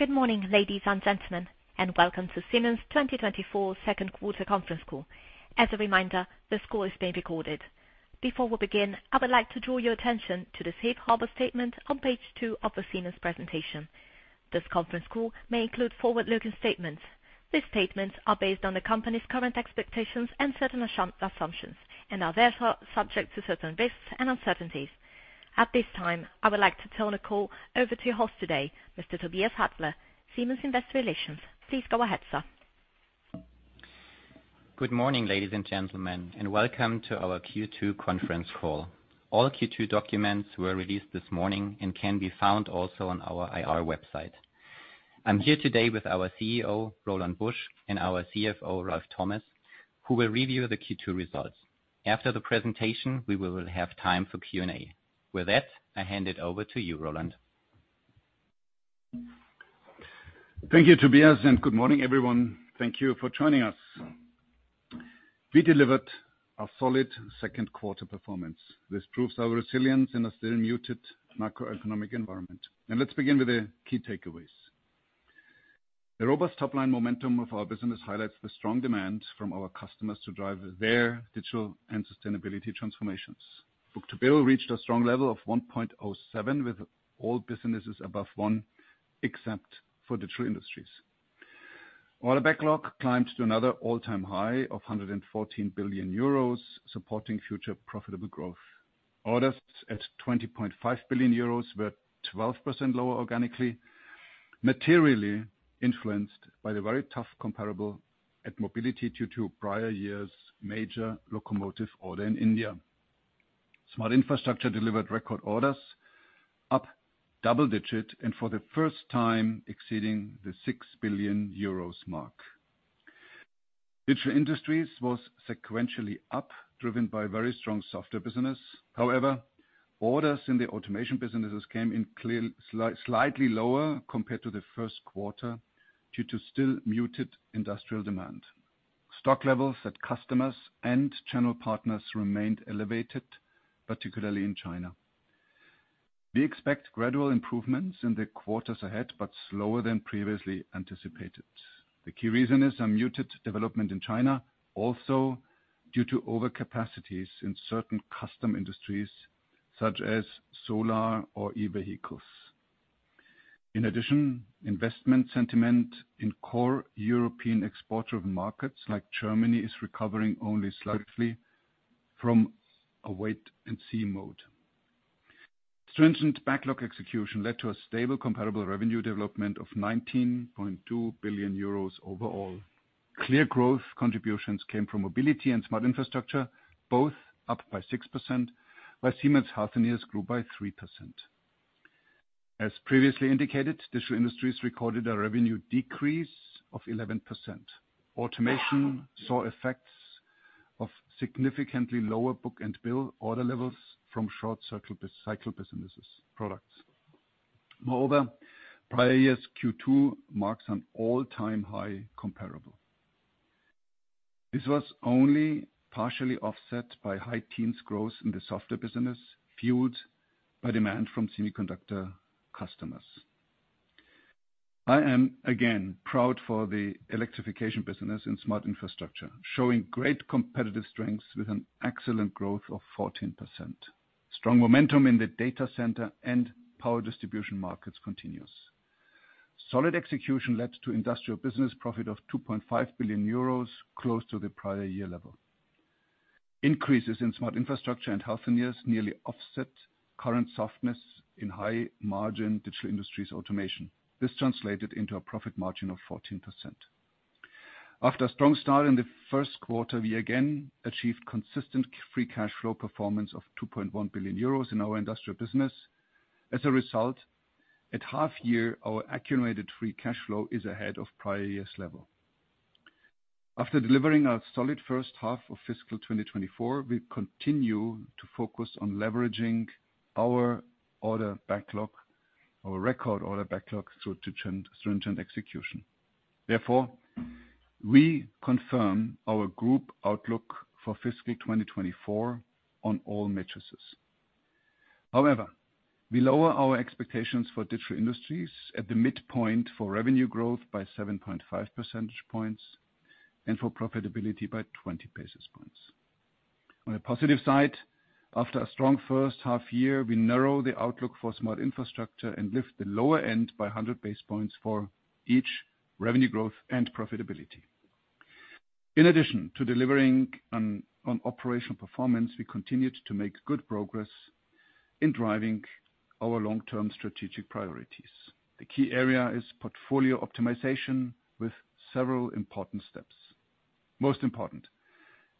Good morning, ladies and gentlemen, and welcome to Siemens' 2024 second quarter conference call. As a reminder, this call is being recorded. Before we begin, I would like to draw your attention to the safe harbor statement on page 2 of the Siemens presentation. This conference call may include forward-looking statements. These statements are based on the company's current expectations and certain assumptions, and are therefore subject to certain risks and uncertainties. At this time, I would like to turn the call over to your host today, Mr. Tobias Atzler, Siemens Investor Relations. Please go ahead, sir. Good morning, ladies and gentlemen, and welcome to our Q2 conference call. All Q2 documents were released this morning and can be found also on our IR website. I'm here today with our CEO, Roland Busch, and our CFO, Ralf Thomas, who will review the Q2 results. After the presentation, we will have time for Q&A. With that, I hand it over to you, Roland. Thank you, Tobias, and good morning, everyone. Thank you for joining us. We delivered a solid second quarter performance. This proves our resilience in a still muted macroeconomic environment. Now let's begin with the key takeaways. The robust top-line momentum of our business highlights the strong demand from our customers to drive their digital and sustainability transformations. Book-to-bill reached a strong level of 1.07, with all businesses above one, except for Digital Industries. While the backlog climbed to another all-time high of 114 billion euros, supporting future profitable growth. Orders at 20.5 billion euros were 12% lower organically, materially influenced by the very tough comparable at Mobility due to prior year's major locomotive order in India. Smart Infrastructure delivered record orders, up double digits, and for the first time exceeding the 6 billion euros mark. Digital Industries was sequentially up, driven by very strong software business. However, orders in the automation businesses came in clearly, slightly lower compared to the first quarter due to still muted industrial demand. Stock levels at customers and channel partners remained elevated, particularly in China. We expect gradual improvements in the quarters ahead, but slower than previously anticipated. The key reason is a muted development in China, also due to overcapacities in certain customer industries such as solar or e-vehicles. In addition, investment sentiment in core European exporter markets, like Germany, is recovering only slightly from a wait and see mode. Strengthened backlog execution led to a stable comparable revenue development of 19.2 billion euros overall. Clear growth contributions came from Mobility and Smart Infrastructure, both up by 6%, while Siemens Healthineers grew by 3%. As previously indicated, Digital Industries recorded a revenue decrease of 11%. Automation saw effects of significantly lower book-to-bill order levels from short-cycle business products. Moreover, prior year's Q2 marks an all-time high comparable. This was only partially offset by high-teens growth in the software business, fueled by demand from semiconductor customers. I am, again, proud for the electrification business in Smart Infrastructure, showing great competitive strengths with an excellent growth of 14%. Strong momentum in the data center and power distribution markets continues. Solid execution led to industrial business profit of 2.5 billion euros, close to the prior year level. Increases in Smart Infrastructure and Healthineers nearly offset current softness in high-margin Digital Industries automation. This translated into a profit margin of 14%. After a strong start in the first quarter, we again achieved consistent free cash flow performance of 2.1 billion euros in our industrial business. As a result, at half year, our accumulated free cash flow is ahead of prior year's level. After delivering a solid first half of fiscal 2024, we continue to focus on leveraging our order backlog, our record order backlog, through stringent execution. Therefore, we confirm our group outlook for fiscal 2024 on all metrics. However, we lower our expectations for Digital Industries at the midpoint for revenue growth by 7.5 percentage points, and for profitability by 20 basis points. On a positive side, after a strong first half year, we narrow the outlook for Smart Infrastructure and lift the lower end by 100 basis points for each revenue growth and profitability. In addition to delivering on operational performance, we continued to make good progress in driving our long-term strategic priorities. The key area is portfolio optimization with several important steps. Most important,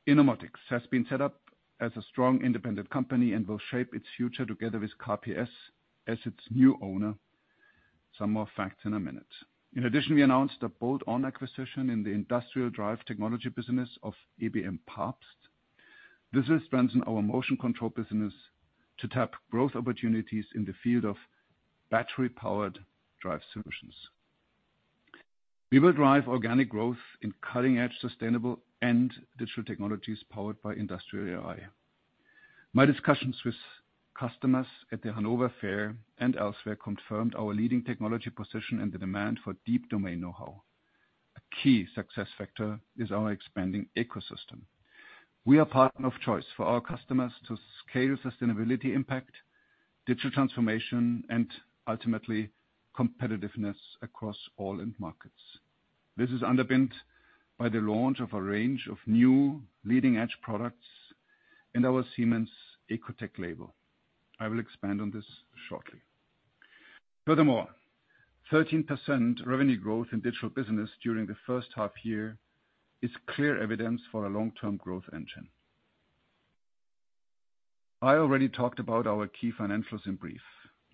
Innomotics has been set up as a strong independent company and will shape its future together with KPS as its new owner. Some more facts in a minute. In addition, we announced a bolt-on acquisition in the industrial drive technology business of ebm-papst. This strengthens our motion control business to tap growth opportunities in the field of battery-powered drive solutions.... We will drive organic growth in cutting-edge, sustainable, and digital technologies powered by industrial AI. My discussions with customers at the Hanover Fair and elsewhere confirmed our leading technology position and the demand for deep domain know-how. A key success factor is our expanding ecosystem. We are partner of choice for our customers to scale sustainability impact, digital transformation, and ultimately, competitiveness across all end markets. This is underpinned by the launch of a range of new leading-edge products in our Siemens EcoTech label. I will expand on this shortly. Furthermore, 13% revenue growth in digital business during the first half year is clear evidence for a long-term growth engine. I already talked about our key financials in brief.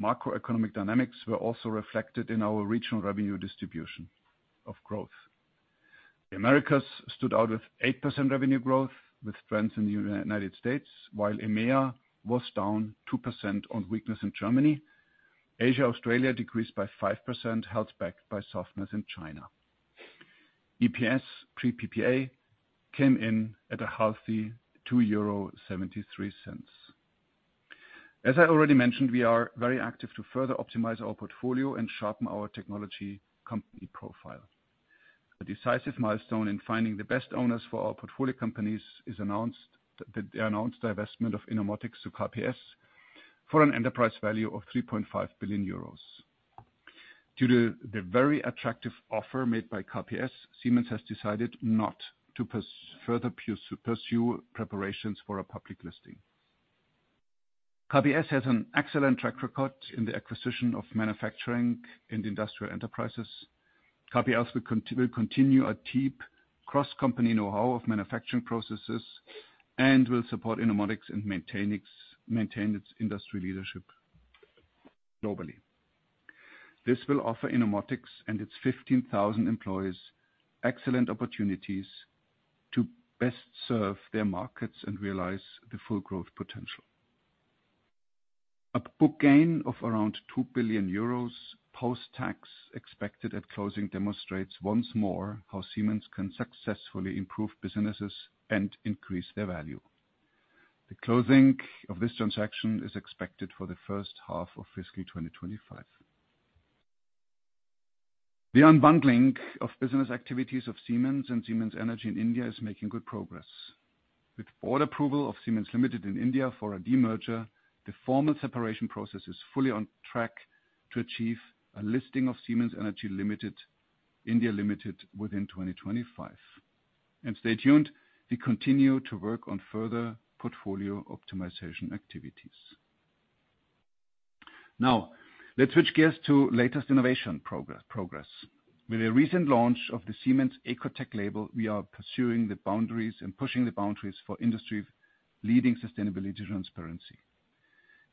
Macroeconomic dynamics were also reflected in our regional revenue distribution of growth. The Americas stood out with 8% revenue growth with trends in the United States, while EMEA was down 2% on weakness in Germany. Asia, Australia decreased by 5%, held back by softness in China. EPS pre PPA came in at a healthy 2.73 euro. As I already mentioned, we are very active to further optimize our portfolio and sharpen our technology company profile. A decisive milestone in finding the best owners for our portfolio companies is the announced divestment of Innomotics to KPS for an enterprise value of 3.5 billion euros. Due to the very attractive offer made by KPS, Siemens has decided not to further pursue preparations for a public listing. KPS has an excellent track record in the acquisition of manufacturing and industrial enterprises. KPS will continue a deep cross-company know-how of manufacturing processes, and will support Innomotics and maintain its industry leadership globally. This will offer Innomotics and its 15,000 employees excellent opportunities to best serve their markets and realize the full growth potential. A book gain of around 2 billion euros post-tax, expected at closing, demonstrates once more how Siemens can successfully improve businesses and increase their value. The closing of this transaction is expected for the first half of fiscal 2025. The unbundling of business activities of Siemens and Siemens Energy in India is making good progress. With all approval of Siemens Limited in India for a demerger, the formal separation process is fully on track to achieve a listing of Siemens Energy Limited, India Limited, within 2025. And stay tuned, we continue to work on further portfolio optimization activities. Now, let's switch gears to latest innovation progress. With a recent launch of the Siemens EcoTech label, we are pursuing the boundaries and pushing the boundaries for industry, leading sustainability transparency.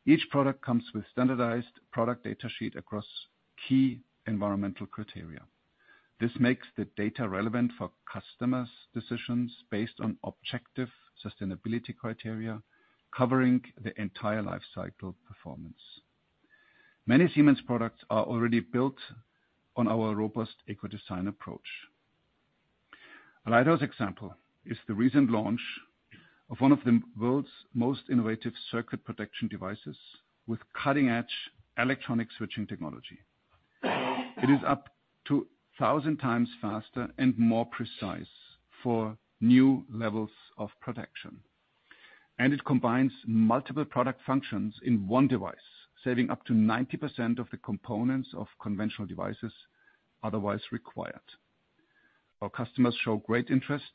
Each product comes with standardized product data sheet across key environmental criteria. This makes the data relevant for customers' decisions based on objective sustainability criteria, covering the entire life cycle performance. Many Siemens products are already built on our robust eco design approach. A lighthouse example is the recent launch of one of the world's most innovative circuit protection devices with cutting-edge electronic switching technology. It is up to 1,000 times faster and more precise for new levels of protection. It combines multiple product functions in one device, saving up to 90% of the components of conventional devices otherwise required. Our customers show great interest.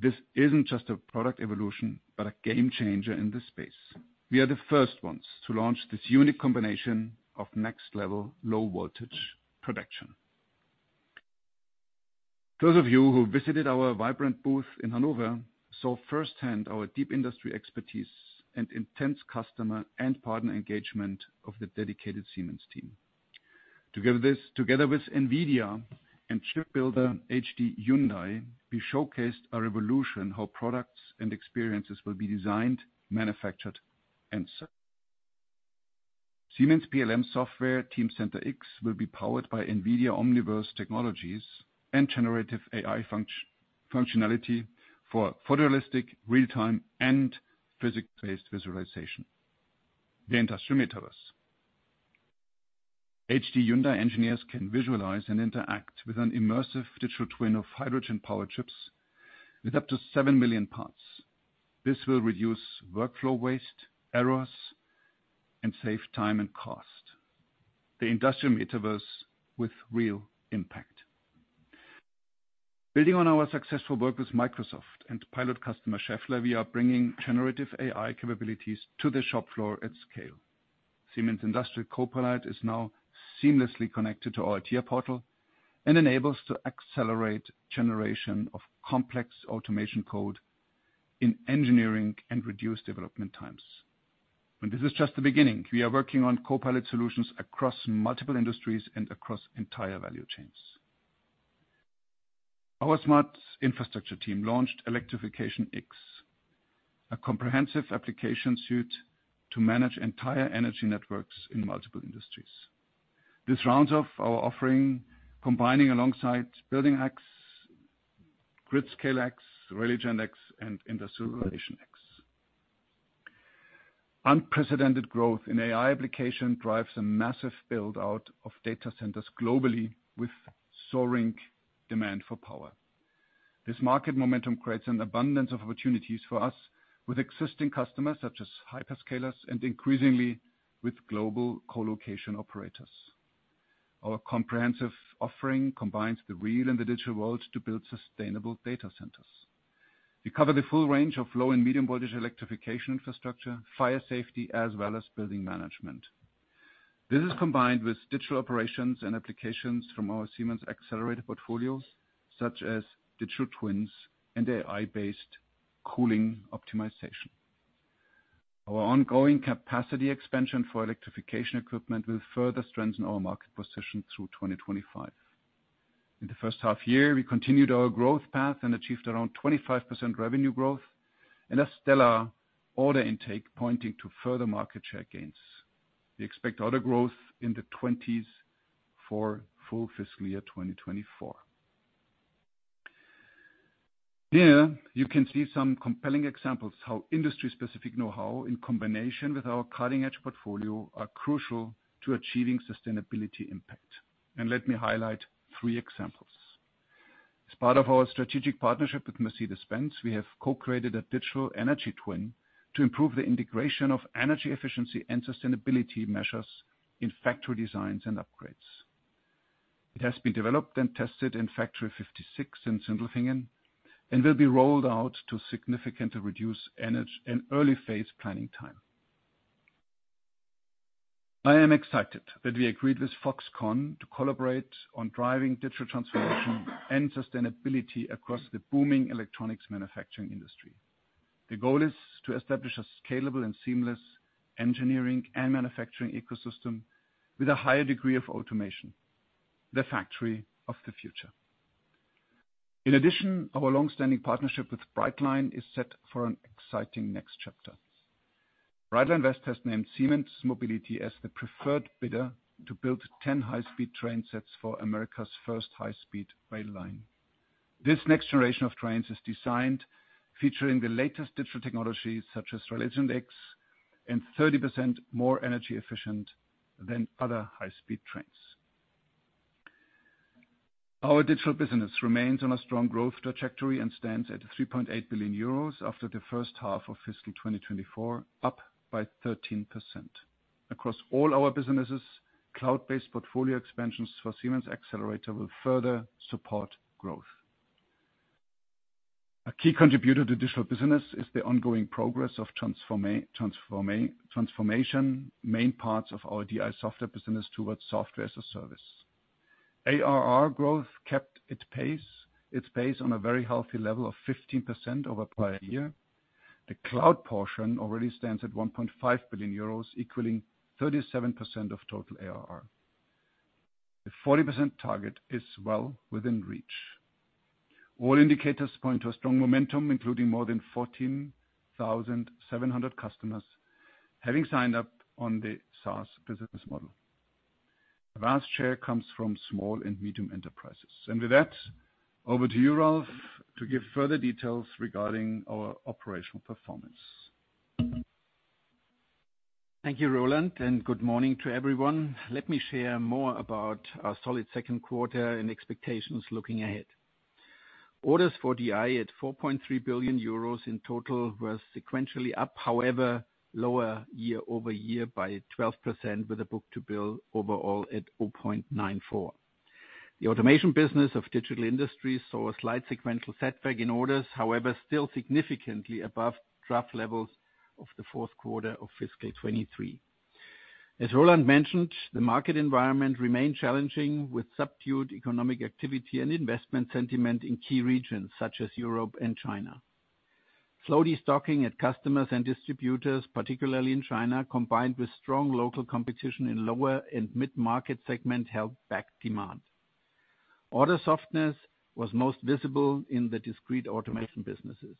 This isn't just a product evolution, but a game changer in this space. We are the first ones to launch this unique combination of next-level low voltage protection. Those of you who visited our vibrant booth in Hanover saw firsthand our deep industry expertise and intense customer and partner engagement of the dedicated Siemens team. Together with NVIDIA and ship builder HD Hyundai, we showcased a revolution, how products and experiences will be designed, manufactured, and served. Siemens PLM software, Teamcenter X, will be powered by NVIDIA Omniverse technologies and generative AI functionality for photorealistic, real-time, and physics-based visualization. The industrial metaverse. HD Hyundai engineers can visualize and interact with an immersive digital twin of hydrogen-powered ships with up to 7 million parts. This will reduce workflow waste, errors, and save time and cost. The industrial metaverse with real impact. Building on our successful work with Microsoft and pilot customer Schaeffler, we are bringing generative AI capabilities to the shop floor at scale. Siemens Industrial Copilot is now seamlessly connected to our TIA Portal and enables to accelerate generation of complex automation code in engineering and reduce development times. And this is just the beginning. We are working on Copilot solutions across multiple industries and across entire value chains.... Our Smart Infrastructure team launched Electrification X, a comprehensive application suite to manage entire energy networks in multiple industries. This rounds off our offering, combining alongside Building X, Gridscale X, Railigent X, and Industrial Automation X. Unprecedented growth in AI application drives a massive build-out of data centers globally, with soaring demand for power. This market momentum creates an abundance of opportunities for us with existing customers, such as hyperscalers, and increasingly with global colocation operators. Our comprehensive offering combines the real and the digital world to build sustainable data centers. We cover the full range of low and medium voltage electrification infrastructure, fire safety, as well as building management. This is combined with digital operations and applications from our Siemens Xcelerator portfolios, such as digital twins and AI-based cooling optimization. Our ongoing capacity expansion for electrification equipment will further strengthen our market position through 2025. In the first half year, we continued our growth path and achieved around 25% revenue growth and a stellar order intake, pointing to further market share gains. We expect order growth in the 20s for full fiscal year 2024. Here, you can see some compelling examples how industry-specific know-how, in combination with our cutting-edge portfolio, are crucial to achieving sustainability impact. And let me highlight three examples: As part of our strategic partnership with Mercedes-Benz, we have co-created a digital energy twin to improve the integration of energy efficiency and sustainability measures in factory designs and upgrades. It has been developed and tested in Factory 56 in Sindelfingen, and will be rolled out to significantly reduce energy in early phase planning time. I am excited that we agreed with Foxconn to collaborate on driving digital transformation and sustainability across the booming electronics manufacturing industry. The goal is to establish a scalable and seamless engineering and manufacturing ecosystem with a higher degree of automation, the factory of the future. In addition, our long-standing partnership with Brightline is set for an exciting next chapter. Brightline West has named Siemens Mobility as the preferred bidder to build 10 high-speed train sets for America's first high-speed rail line. This next generation of trains is designed featuring the latest digital technologies, such as Railigent X, and 30% more energy efficient than other high-speed trains. Our digital business remains on a strong growth trajectory and stands at 3.8 billion euros after the first half of fiscal 2024, up by 13%. Across all our businesses, cloud-based portfolio expansions for Siemens Xcelerator will further support growth. A key contributor to digital business is the ongoing progress of transformation, main parts of our DI software business towards software as a service. ARR growth kept its pace on a very healthy level of 15% over prior year. The cloud portion already stands at 1.5 billion euros, equaling 37% of total ARR. The 40% target is well within reach. All indicators point to a strong momentum, including more than 14,700 customers having signed up on the SaaS business model. A vast share comes from small and medium enterprises. With that, over to you, Ralf, to give further details regarding our operational performance. Thank you, Roland, and good morning to everyone. Let me share more about our solid second quarter and expectations looking ahead. Orders for DI at 4.3 billion euros in total were sequentially up, however, lower year-over-year by 12%, with a book-to-bill overall at 0.94. The automation business of digital industries saw a slight sequential setback in orders, however, still significantly above draft levels of the fourth quarter of fiscal 2023. As Roland mentioned, the market environment remained challenging, with subdued economic activity and investment sentiment in key regions such as Europe and China. Slow destocking at customers and distributors, particularly in China, combined with strong local competition in lower and mid-market segment, held back demand. Order softness was most visible in the discrete automation businesses.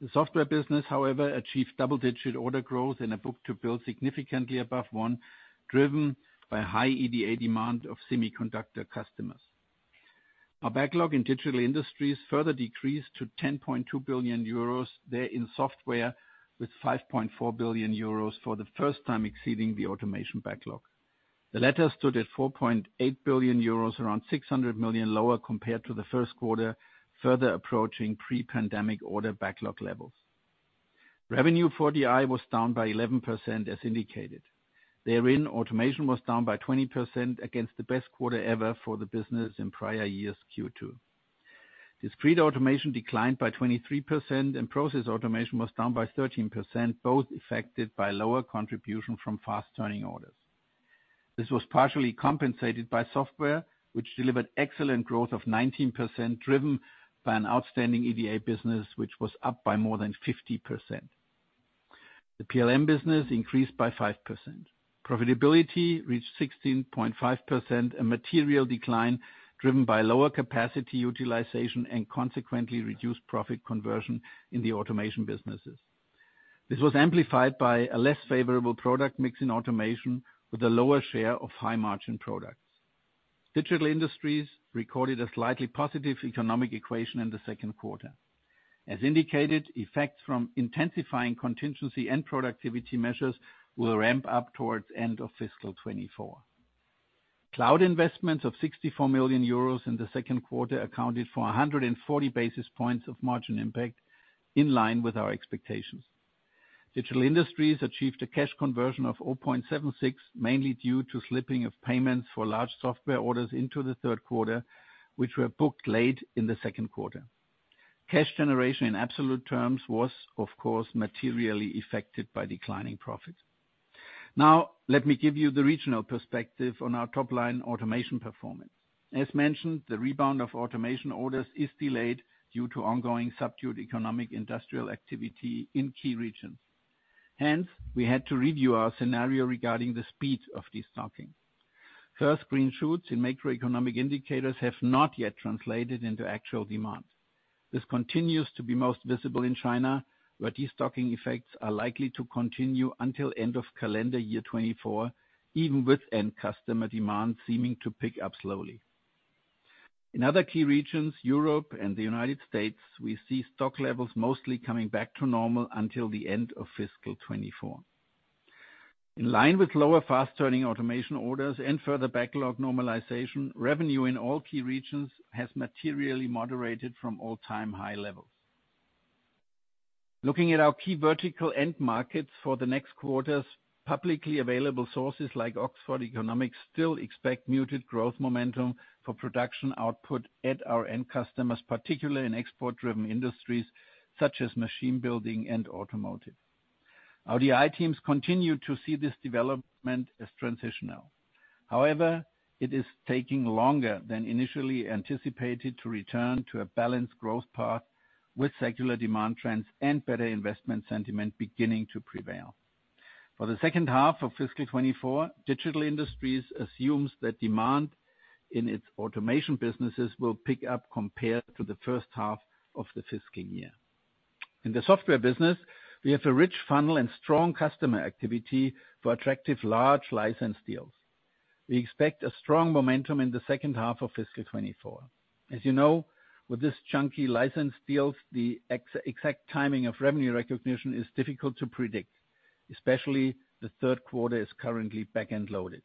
The software business, however, achieved double-digit order growth and a book-to-bill significantly above one, driven by high EDA demand of semiconductor customers. Our backlog in Digital Industries further decreased to 10.2 billion euros. Therein, software, with 5.4 billion euros for the first time exceeding the automation backlog. The latter stood at 4.8 billion euros, around 600 million lower compared to the first quarter, further approaching pre-pandemic order backlog levels. Revenue for DI was down by 11%, as indicated. Therein, automation was down by 20% against the best quarter ever for the business in prior years' Q2. Discrete automation declined by 23%, and process automation was down by 13%, both affected by lower contribution from fast-turning orders. This was partially compensated by software, which delivered excellent growth of 19%, driven by an outstanding EDA business, which was up by more than 50%.... The PLM business increased by 5%. Profitability reached 16.5%, a material decline driven by lower capacity utilization and consequently reduced profit conversion in the automation businesses. This was amplified by a less favorable product mix in automation, with a lower share of high-margin products. Digital Industries recorded a slightly positive economic equation in the second quarter. As indicated, effects from intensifying contingency and productivity measures will ramp up towards end of fiscal 2024. Cloud investments of 64 million euros in the second quarter accounted for 140 basis points of margin impact, in line with our expectations. Digital Industries achieved a cash conversion of 0.76, mainly due to slipping of payments for large software orders into the third quarter, which were booked late in the second quarter. Cash generation in absolute terms was, of course, materially affected by declining profits. Now, let me give you the regional perspective on our top line automation performance. As mentioned, the rebound of automation orders is delayed due to ongoing subdued economic industrial activity in key regions. Hence, we had to review our scenario regarding the speed of destocking. First, green shoots in macroeconomic indicators have not yet translated into actual demand. This continues to be most visible in China, where destocking effects are likely to continue until end of calendar year 2024, even with end customer demand seeming to pick up slowly. In other key regions, Europe and the United States, we see stock levels mostly coming back to normal until the end of fiscal 2024. In line with lower fast-turning automation orders and further backlog normalization, revenue in all key regions has materially moderated from all-time high levels. Looking at our key vertical end markets for the next quarters, publicly available sources like Oxford Economics still expect muted growth momentum for production output at our end customers, particularly in export-driven industries such as machine building and automotive. Our DI teams continue to see this development as transitional. However, it is taking longer than initially anticipated to return to a balanced growth path with secular demand trends and better investment sentiment beginning to prevail. For the second half of fiscal 2024, Digital Industries assumes that demand in its automation businesses will pick up compared to the first half of the fiscal year. In the software business, we have a rich funnel and strong customer activity for attractive large license deals. We expect a strong momentum in the second half of fiscal 2024. As you know, with this chunky license deals, the exact timing of revenue recognition is difficult to predict, especially the third quarter is currently back-end loaded.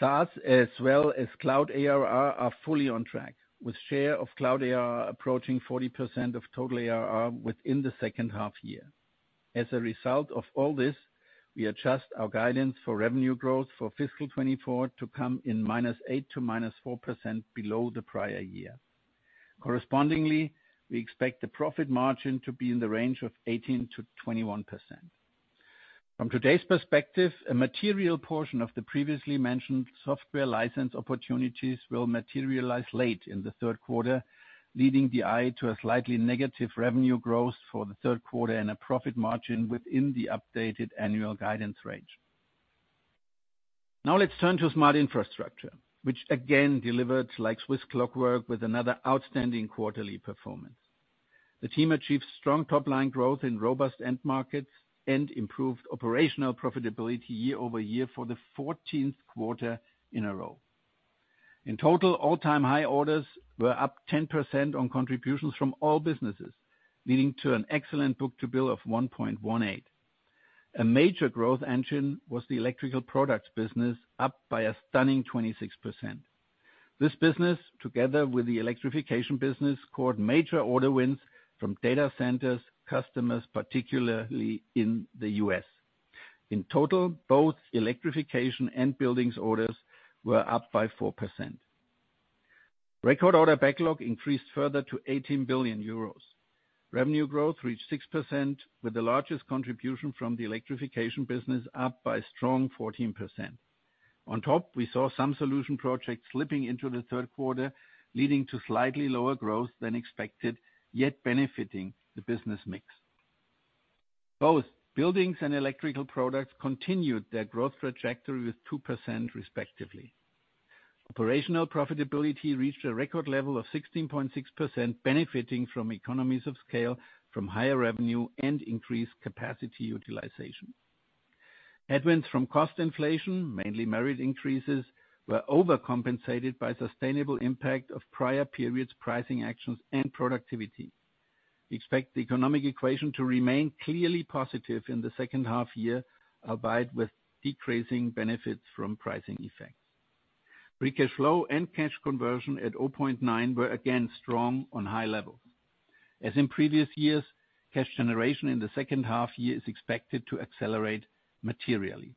SaaS, as well as cloud ARR, are fully on track, with share of cloud ARR approaching 40% of total ARR within the second half year. As a result of all this, we adjust our guidance for revenue growth for fiscal 2024 to come in -8% to -4% below the prior year. Correspondingly, we expect the profit margin to be in the range of 18%-21%. From today's perspective, a material portion of the previously mentioned software license opportunities will materialize late in the third quarter, leading DI to a slightly negative revenue growth for the third quarter and a profit margin within the updated annual guidance range. Now, let's turn to Smart Infrastructure, which again delivered like Swiss clockwork with another outstanding quarterly performance. The team achieved strong top-line growth in robust end markets and improved operational profitability year-over-year for the fourteenth quarter in a row. In total, all-time high orders were up 10% on contributions from all businesses, leading to an excellent book-to-bill of 1.18. A major growth engine was the electrical products business, up by a stunning 26%. This business, together with the electrification business, scored major order wins from data centers customers, particularly in the US. In total, both electrification and buildings orders were up by 4%. Record order backlog increased further to 18 billion euros. Revenue growth reached 6%, with the largest contribution from the electrification business up by a strong 14%. On top, we saw some solution projects slipping into the third quarter, leading to slightly lower growth than expected, yet benefiting the business mix. Both buildings and electrical products continued their growth trajectory with 2%, respectively. Operational profitability reached a record level of 16.6%, benefiting from economies of scale, from higher revenue, and increased capacity utilization. Headwinds from cost inflation, mainly wage increases, were overcompensated by sustainable impact of prior periods, pricing actions, and productivity. We expect the economic equation to remain clearly positive in the second half year, albeit with decreasing benefits from pricing effects. Free cash flow and cash conversion at 0.9 were again strong on high levels. As in previous years, cash generation in the second half year is expected to accelerate materially.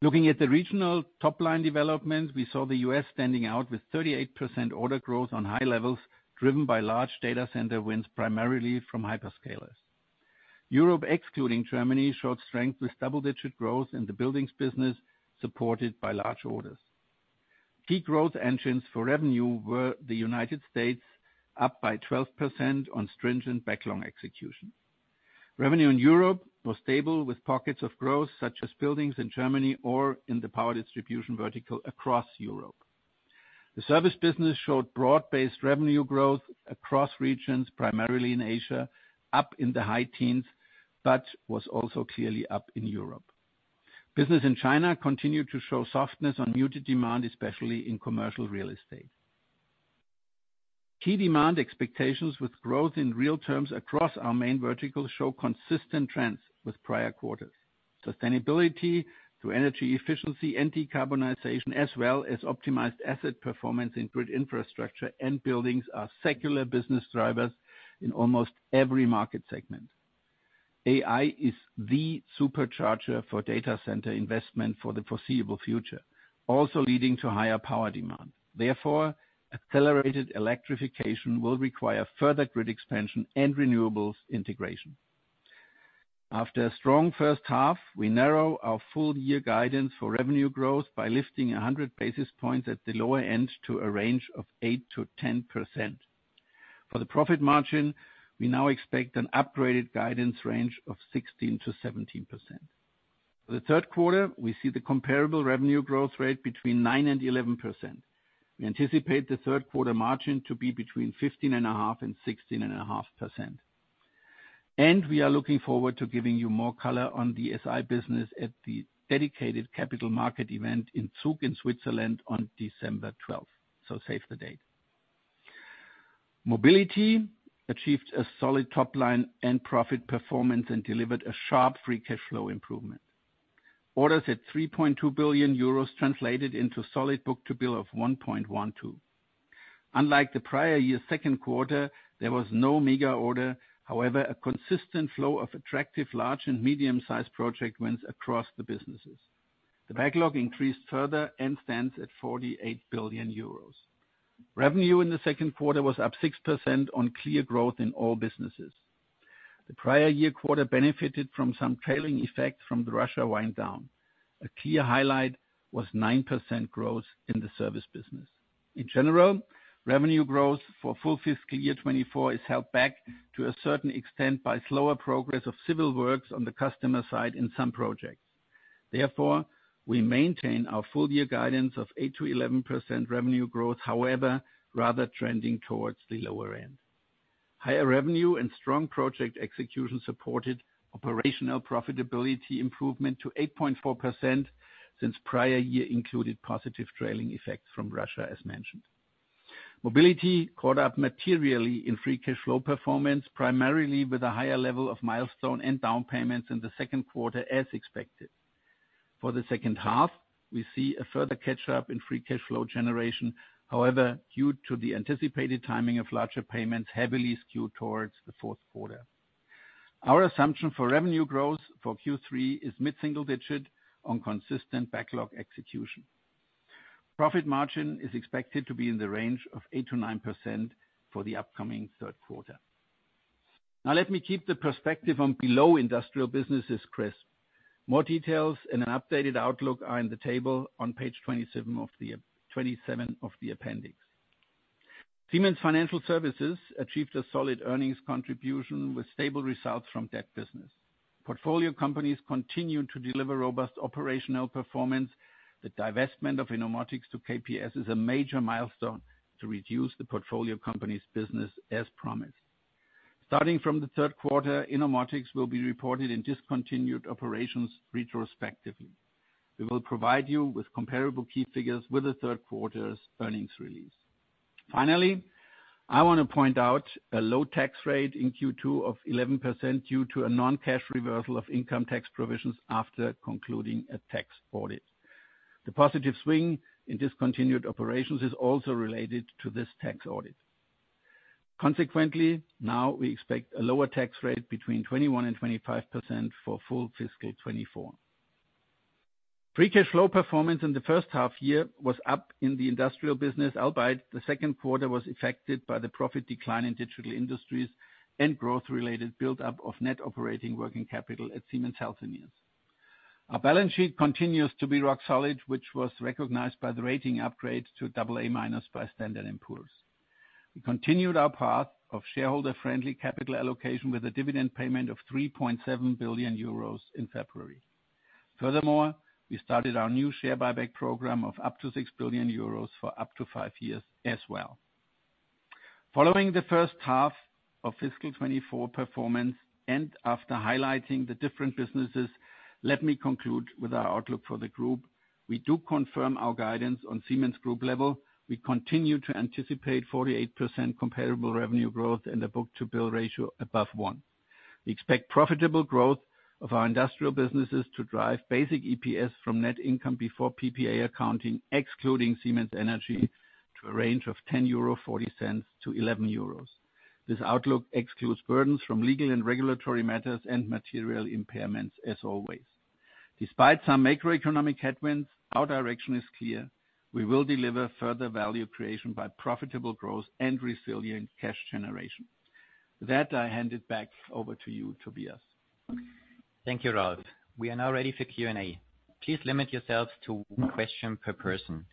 Looking at the regional top-line development, we saw the U.S. standing out with 38% order growth on high levels, driven by large data center wins, primarily from hyperscalers. Europe, excluding Germany, showed strength with double-digit growth in the buildings business, supported by large orders. Key growth engines for revenue were the United States, up by 12% on stringent backlog execution. Revenue in Europe was stable, with pockets of growth, such as buildings in Germany or in the power distribution vertical across Europe. The service business showed broad-based revenue growth across regions, primarily in Asia, up in the high teens, but was also clearly up in Europe. Business in China continued to show softness on muted demand, especially in commercial real estate. Key demand expectations with growth in real terms across our main verticals show consistent trends with prior quarters. Sustainability through energy efficiency and decarbonization, as well as optimized asset performance in grid infrastructure and buildings, are secular business drivers in almost every market segment. AI is the supercharger for data center investment for the foreseeable future, also leading to higher power demand. Therefore, accelerated electrification will require further grid expansion and renewables integration. After a strong first half, we narrow our full-year guidance for revenue growth by lifting 100 basis points at the lower end to a range of 8%-10%. For the profit margin, we now expect an upgraded guidance range of 16%-17%. For the third quarter, we see the comparable revenue growth rate between 9% and 11%. We anticipate the third quarter margin to be between 15.5% and 16.5%. And we are looking forward to giving you more color on the SI business at the dedicated capital market event in Zug, in Switzerland, on December 12. So save the date. Mobility achieved a solid top line and profit performance and delivered a sharp free cash flow improvement. Orders at 3.2 billion euros translated into solid book-to-bill of 1.12. Unlike the prior year's second quarter, there was no mega order. However, a consistent flow of attractive large and medium-sized project wins across the businesses. The backlog increased further and stands at 48 billion euros. Revenue in the second quarter was up 6% on clear growth in all businesses. The prior year quarter benefited from some trailing effects from the Russia wind down. A key highlight was 9% growth in the service business. In general, revenue growth for full fiscal year 2024 is held back to a certain extent by slower progress of civil works on the customer side in some projects. Therefore, we maintain our full year guidance of 8%-11% revenue growth, however, rather trending towards the lower end. Higher revenue and strong project execution supported operational profitability improvement to 8.4%, since prior year included positive trailing effects from Russia, as mentioned. Mobility caught up materially in free cash flow performance, primarily with a higher level of milestone and down payments in the second quarter, as expected. For the second half, we see a further catch-up in free cash flow generation, however, due to the anticipated timing of larger payments heavily skewed towards the fourth quarter. Our assumption for revenue growth for Q3 is mid-single-digit on consistent backlog execution. Profit margin is expected to be in the range of 8%-9% for the upcoming third quarter. Now, let me keep the perspective on non-industrial businesses crisp. More details and an updated outlook are in the table on page 27 of the appendix. Siemens Financial Services achieved a solid earnings contribution with stable results from debt business. Portfolio companies continued to deliver robust operational performance. The divestment of Innomotics to KPS is a major milestone to reduce the portfolio company's business, as promised. Starting from the third quarter, Innomotics will be reported in discontinued operations retrospectively. We will provide you with comparable key figures with the third quarter's earnings release. Finally, I wanna point out a low tax rate in Q2 of 11% due to a non-cash reversal of income tax provisions after concluding a tax audit. The positive swing in discontinued operations is also related to this tax audit. Consequently, now we expect a lower tax rate between 21% and 25% for full fiscal 2024. Free cash flow performance in the first half year was up in the industrial business, albeit the second quarter was affected by the profit decline in Digital Industries and growth-related buildup of net operating working capital at Siemens Healthineers. Our balance sheet continues to be rock solid, which was recognized by the rating upgrade to AA-minus by Standard & Poor's. We continued our path of shareholder-friendly capital allocation with a dividend payment of 3.7 billion euros in February. Furthermore, we started our new share buyback program of up to 6 billion euros for up to 5 years as well. Following the first half of fiscal 2024 performance, and after highlighting the different businesses, let me conclude with our outlook for the group. We do confirm our guidance on Siemens group level. We continue to anticipate 48% comparable revenue growth and a book-to-bill ratio above 1. We expect profitable growth of our industrial businesses to drive basic EPS from net income before PPA accounting, excluding Siemens Energy, to a range of €10.40-€11. This outlook excludes burdens from legal and regulatory matters and material impairments, as always. Despite some macroeconomic headwinds, our direction is clear: We will deliver further value creation by profitable growth and resilient cash generation.... With that, I hand it back over to you, Tobias. Thank you, Ralf. We are now ready for Q&A. Please limit yourselves to one question per person.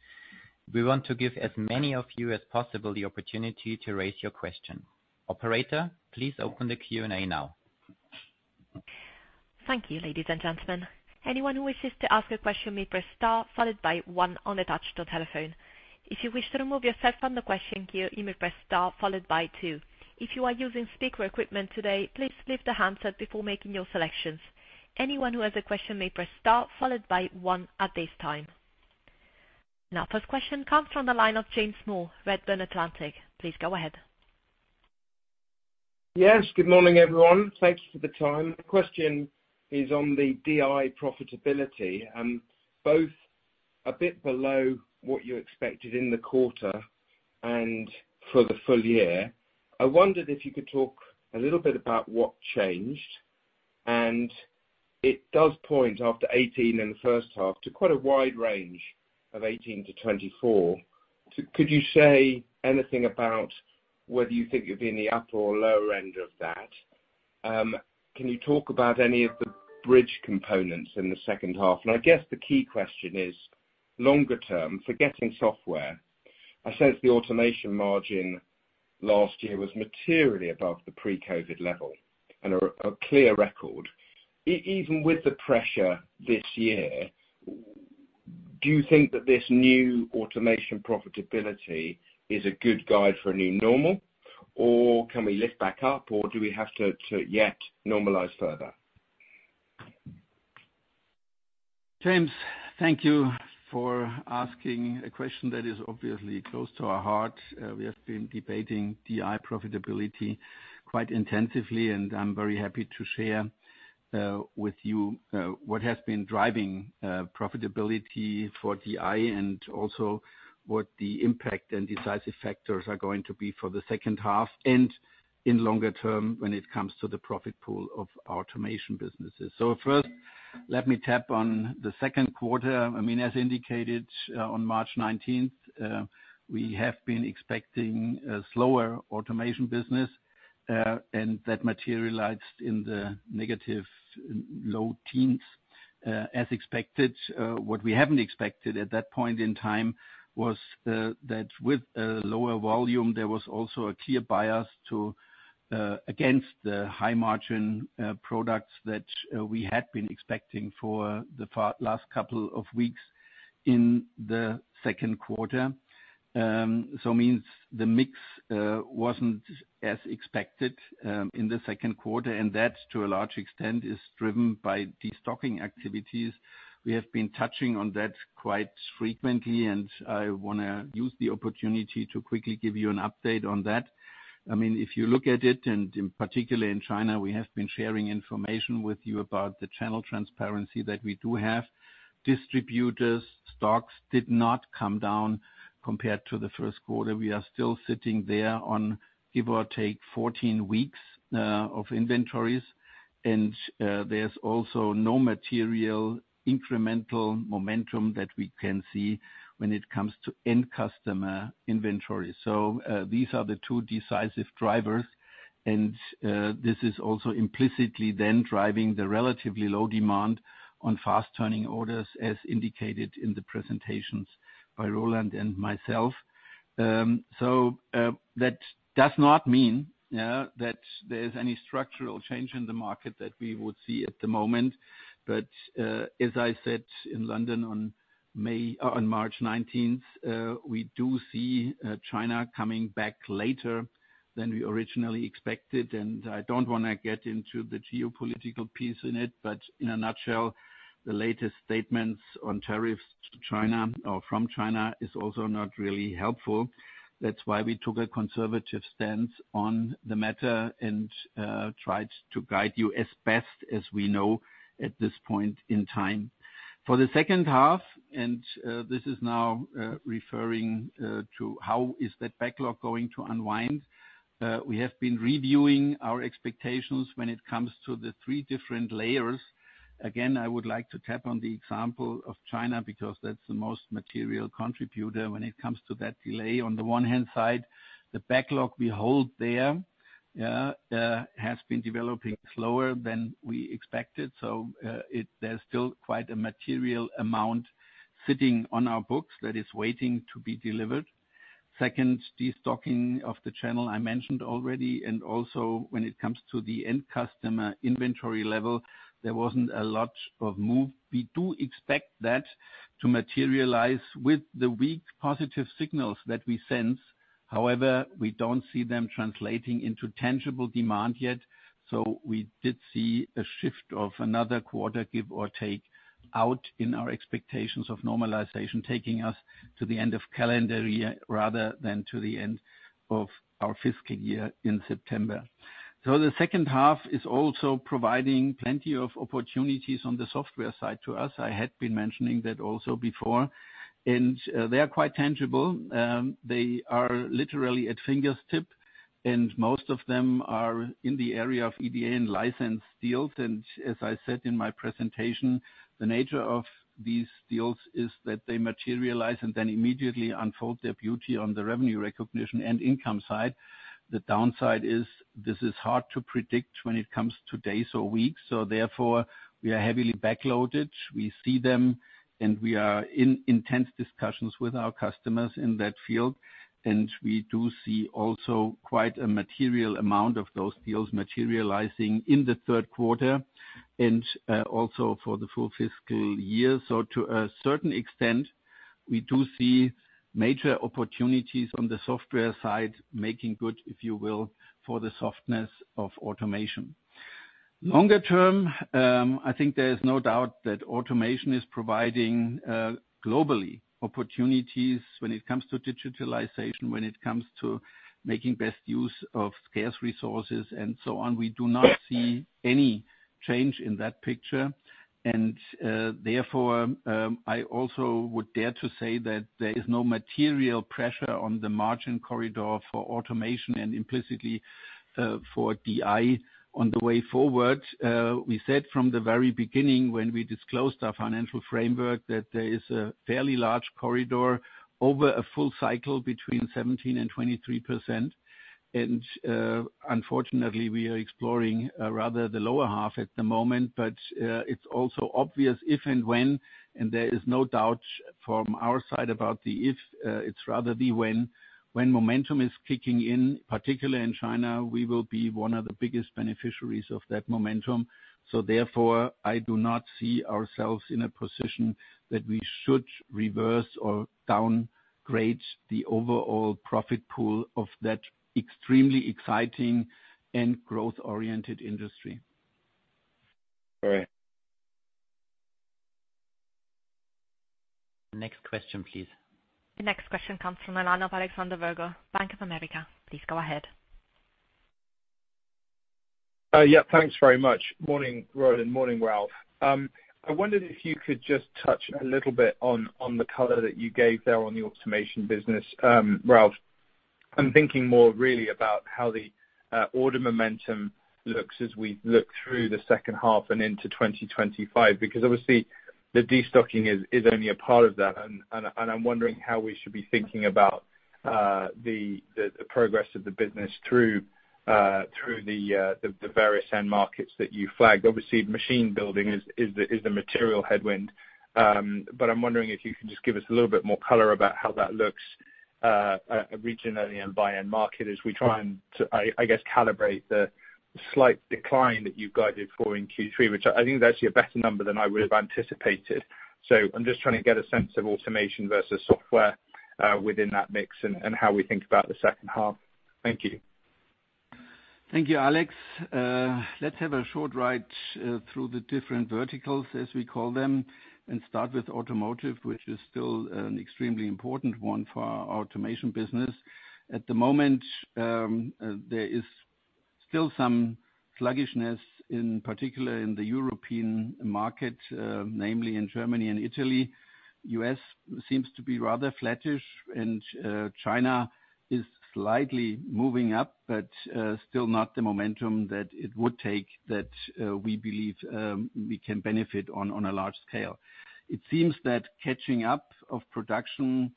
We want to give as many of you as possible the opportunity to raise your question. Operator, please open the Q&A now. Thank you, ladies and gentlemen. Anyone who wishes to ask a question may press star, followed by one on the touch-tone telephone. If you wish to remove yourself from the question queue, you may press star, followed by two. If you are using speaker equipment today, please leave the handset before making your selections. Anyone who has a question may press star, followed by one at this time. Now, first question comes from the line of James Moore, Redburn Atlantic. Please go ahead. Yes, good morning, everyone. Thanks for the time. The question is on the DI profitability, both a bit below what you expected in the quarter and for the full year. I wondered if you could talk a little bit about what changed, and it does point to, after 18% in the first half, quite a wide range of 18%-24%. So could you say anything about whether you think you'll be in the upper or lower end of that? Can you talk about any of the bridge components in the second half? And I guess the key question is, longer term, forgetting software, I sense the automation margin last year was materially above the pre-COVID level and a clear record. Even with the pressure this year, do you think that this new automation profitability is a good guide for a new normal, or can we lift back up, or do we have to yet normalize further? James, thank you for asking a question that is obviously close to our heart. We have been debating DI profitability quite intensively, and I'm very happy to share with you what has been driving profitability for DI and also what the impact and decisive factors are going to be for the second half, and in longer term, when it comes to the profit pool of our automation businesses. So first, let me tap on the second quarter. I mean, as indicated on March 19, we have been expecting a slower automation business, and that materialized in the negative low teens, as expected. What we haven't expected at that point in time was that with a lower volume, there was also a clear bias against the high margin products that we had been expecting for the last couple of weeks in the second quarter. So means the mix wasn't as expected in the second quarter, and that, to a large extent, is driven by destocking activities. We have been touching on that quite frequently, and I wanna use the opportunity to quickly give you an update on that. I mean, if you look at it, and in particular in China, we have been sharing information with you about the channel transparency that we do have. Distributors' stocks did not come down compared to the first quarter. We are still sitting there on, give or take, 14 weeks of inventories, and there's also no material incremental momentum that we can see when it comes to end customer inventory. So, these are the two decisive drivers, and this is also implicitly then driving the relatively low demand on fast turning orders, as indicated in the presentations by Roland and myself. So, that does not mean that there's any structural change in the market that we would see at the moment, but as I said in London on May, on March nineteenth, we do see China coming back later than we originally expected, and I don't wanna get into the geopolitical piece in it, but in a nutshell, the latest statements on tariffs to China or from China is also not really helpful. That's why we took a conservative stance on the matter and tried to guide you as best as we know at this point in time. For the second half, and this is now referring to how is that backlog going to unwind? We have been reviewing our expectations when it comes to the three different layers. Again, I would like to tap on the example of China, because that's the most material contributor when it comes to that delay. On the one hand side, the backlog we hold there has been developing slower than we expected, so there's still quite a material amount sitting on our books that is waiting to be delivered. Second, destocking of the channel I mentioned already, and also when it comes to the end customer inventory level, there wasn't a lot of move. We do expect that to materialize with the weak positive signals that we sense. However, we don't see them translating into tangible demand yet, so we did see a shift of another quarter, give or take, out in our expectations of normalization, taking us to the end of calendar year rather than to the end of our fiscal year in September. So the second half is also providing plenty of opportunities on the software side to us. I had been mentioning that also before, and they are quite tangible. They are literally at fingertips, and most of them are in the area of EDA and license deals. And as I said in my presentation, the nature of these deals is that they materialize and then immediately unfold their beauty on the revenue recognition and income side. The downside is, this is hard to predict when it comes to days or weeks, so therefore, we are heavily backloaded. We see them, and we are in intense discussions with our customers in that field, and we do see also quite a material amount of those deals materializing in the third quarter, and also for the full fiscal year. So to a certain extent, we do see major opportunities on the software side, making good, if you will, for the softness of automation. Longer term, I think there is no doubt that automation is providing globally, opportunities when it comes to digitalization, when it comes to making best use of scarce resources, and so on. We do not see any change in that picture, and, therefore, I also would dare to say that there is no material pressure on the margin corridor for automation and implicitly, for DI on the way forward. We said from the very beginning when we disclosed our financial framework, that there is a fairly large corridor over a full cycle between 17%-23%. And, unfortunately, we are exploring, rather the lower half at the moment, but, it's also obvious if and when, and there is no doubt from our side about the if, it's rather the when, when momentum is kicking in, particularly in China, we will be one of the biggest beneficiaries of that momentum. So therefore, I do not see ourselves in a position that we should reverse or downgrade the overall profit pool of that extremely exciting and growth-oriented industry. All right. Next question, please. The next question comes from the line of Alexander Virgo, Bank of America. Please go ahead. Yeah, thanks very much. Morning, Roland, and morning, Ralf. I wondered if you could just touch a little bit on the color that you gave there on the automation business. Ralf, I'm thinking more really about how the order momentum looks as we look through the second half and into 2025, because obviously the destocking is only a part of that. And I'm wondering how we should be thinking about the progress of the business through the various end markets that you flagged. Obviously, machine building is the material headwind. I'm wondering if you can just give us a little bit more color about how that looks, regionally and by end market as we try to, I guess, calibrate the slight decline that you've guided for in Q3, which I think is actually a better number than I would have anticipated. So I'm just trying to get a sense of automation versus software, within that mix and how we think about the second half. Thank you. Thank you, Alex. Let's have a short ride through the different verticals, as we call them, and start with automotive, which is still an extremely important one for our automation business. At the moment, there is still some sluggishness, in particular in the European market, namely in Germany and Italy. U.S. seems to be rather flattish, and, China is slightly moving up, but, still not the momentum that it would take that, we believe, we can benefit on, on a large scale. It seems that catching up of production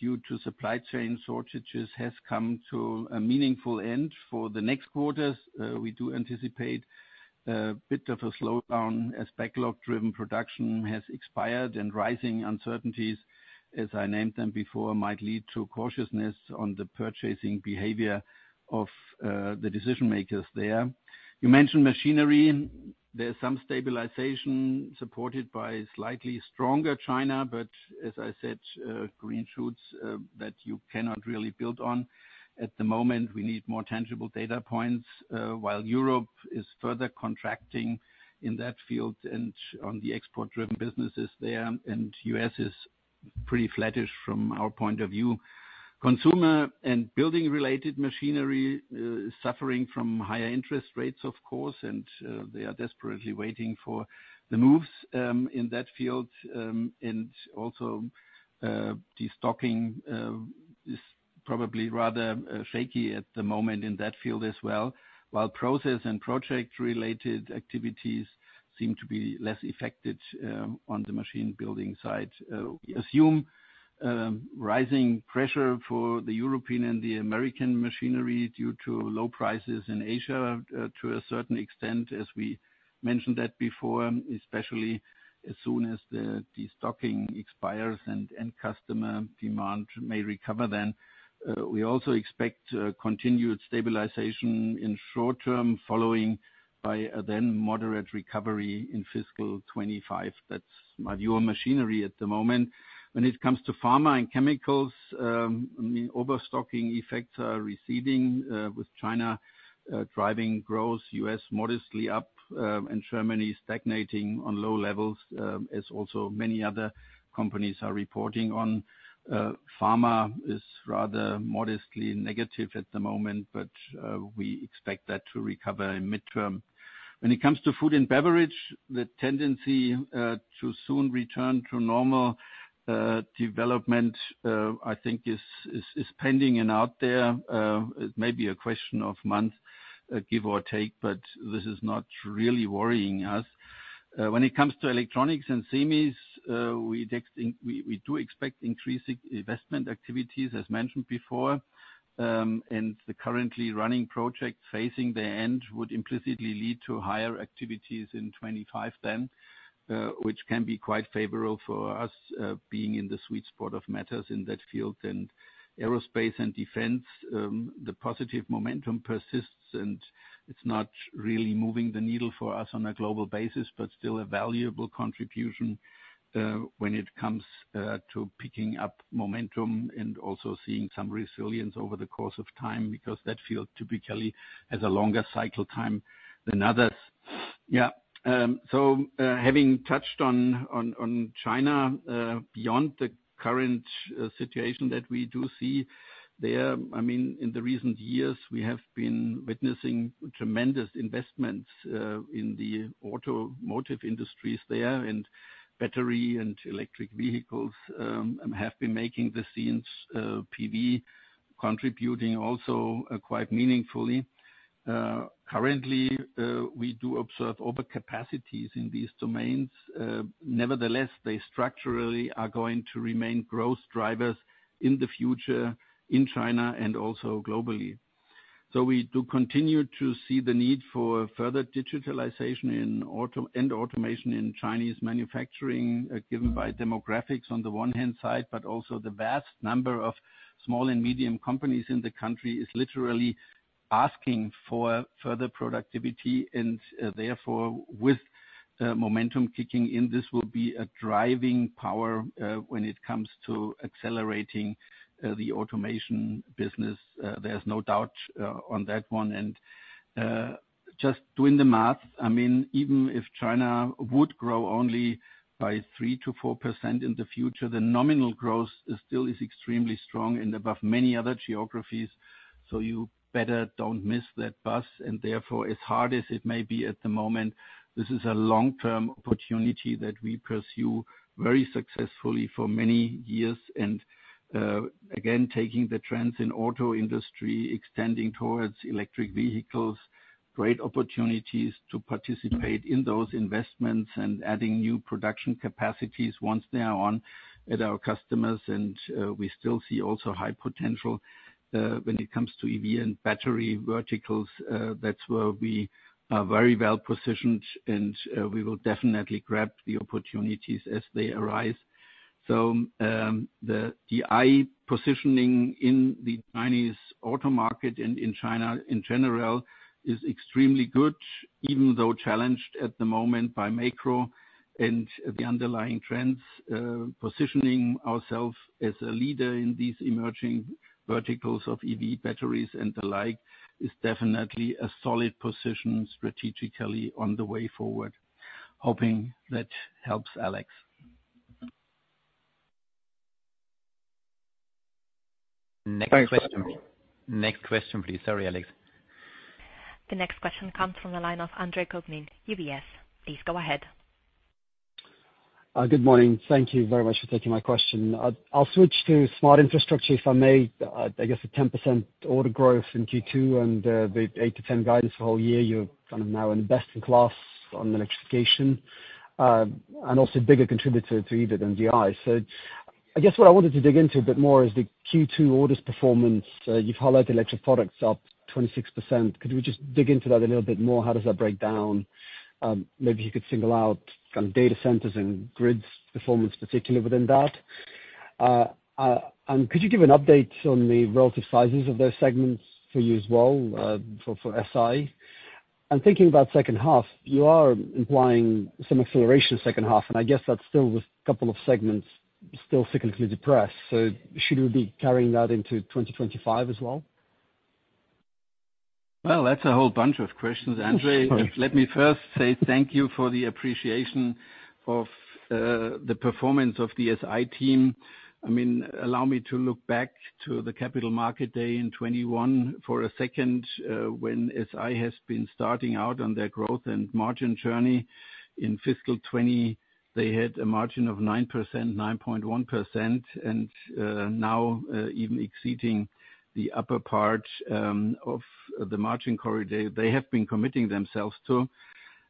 due to supply chain shortages has come to a meaningful end. For the next quarters, we do anticipate a bit of a slowdown as backlog-driven production has expired and rising uncertainties, as I named them before, might lead to cautiousness on the purchasing behavior of, the decision-makers there. You mentioned machinery. There's some stabilization supported by slightly stronger China, but as I said, green shoots that you cannot really build on. At the moment, we need more tangible data points while Europe is further contracting in that field and on the export-driven businesses there, and U.S. is pretty flattish from our point of view. Consumer and building-related machinery is suffering from higher interest rates, of course, and they are desperately waiting for the moves in that field. And also, destocking is probably rather shaky at the moment in that field as well, while process and project-related activities seem to be less affected on the machine building side. We assume rising pressure for the European and the American machinery due to low prices in Asia, to a certain extent, as we mentioned that before, especially as soon as the destocking expires and end customer demand may recover then. We also expect continued stabilization in short term, following by a then moderate recovery in fiscal 25. That's your machinery at the moment. When it comes to pharma and chemicals, the overstocking effects are receding, with China driving growth, US modestly up, and Germany stagnating on low levels, as also many other companies are reporting on. Pharma is rather modestly negative at the moment, but we expect that to recover in mid-term. When it comes to food and beverage, the tendency to soon return to normal development, I think is pending and out there. It may be a question of months, give or take, but this is not really worrying us. When it comes to electronics and SEMIs, we do expect increasing investment activities, as mentioned before. And the currently running project facing the end would implicitly lead to higher activities in 2025 then, which can be quite favorable for us, being in the sweet spot of matters in that field. Aerospace and defense, the positive momentum persists, and it's not really moving the needle for us on a global basis, but still a valuable contribution, when it comes to picking up momentum and also seeing some resilience over the course of time, because that field typically has a longer cycle time than others. Yeah. So, having touched on China, beyond the current situation that we do see there, I mean, in the recent years, we have been witnessing tremendous investments in the automotive industries there, and battery and electric vehicles have been making the scene, PV contributing also quite meaningfully. Currently, we do observe over capacities in these domains. Nevertheless, they structurally are going to remain growth drivers in the future, in China, and also globally. So we do continue to see the need for further digitalization in auto- and automation in Chinese manufacturing, given by demographics on the one hand side, but also the vast number of small and medium companies in the country is literally asking for further productivity, and, therefore, with momentum kicking in, this will be a driving power, when it comes to accelerating, the automation business. There's no doubt, on that one. And, just doing the math, I mean, even if China would grow only by 3%-4% in the future, the nominal growth is still extremely strong and above many other geographies, so you better don't miss that bus. And therefore, as hard as it may be at the moment, this is a long-term opportunity that we pursue very successfully for many years. Again, taking the trends in auto industry, extending towards electric vehicles, great opportunities to participate in those investments and adding new production capacities once they are on at our customers. We still see also high potential, when it comes to EV and battery verticals, that's where we are very well positioned, and we will definitely grab the opportunities as they arise. So, the DI positioning in the Chinese auto market and in China in general is extremely good, even though challenged at the moment by macro and the underlying trends. Positioning ourselves as a leader in these emerging verticals of EV batteries and the like, is definitely a solid position strategically on the way forward. Hoping that helps, Alex. Thanks. Next question. Next question, please. Sorry, Alex. The next question comes from the line of Andre Kukhnin, UBS. Please go ahead. Good morning. Thank you very much for taking my question. I'll switch to Smart Infrastructure, if I may. I guess a 10% order growth in Q2 and the 8%-10% guidance for whole year, you're kind of now in the best in class on the Electrification, and also bigger contributor to EV than DI. So I guess what I wanted to dig into a bit more is the Q2 orders performance. You've highlighted electric products up 26%. Could we just dig into that a little bit more? How does that break down? Maybe you could single out some data centers and grids performance, particularly within that. And could you give an update on the relative sizes of those segments for you as well, for SI? I'm thinking about second half, you are implying some acceleration second half, and I guess that's still with a couple of segments, still secondly depressed, so should we be carrying that into 2025 as well? Well, that's a whole bunch of questions, Andre. Sorry. Let me first say thank you for the appreciation of the performance of the SI team. I mean, allow me to look back to the Capital Market Day in 2021 for a second, when SI has been starting out on their growth and margin journey. In fiscal 2020, they had a margin of 9%, 9.1%, and now even exceeding the upper part of the margin corridor they have been committing themselves to.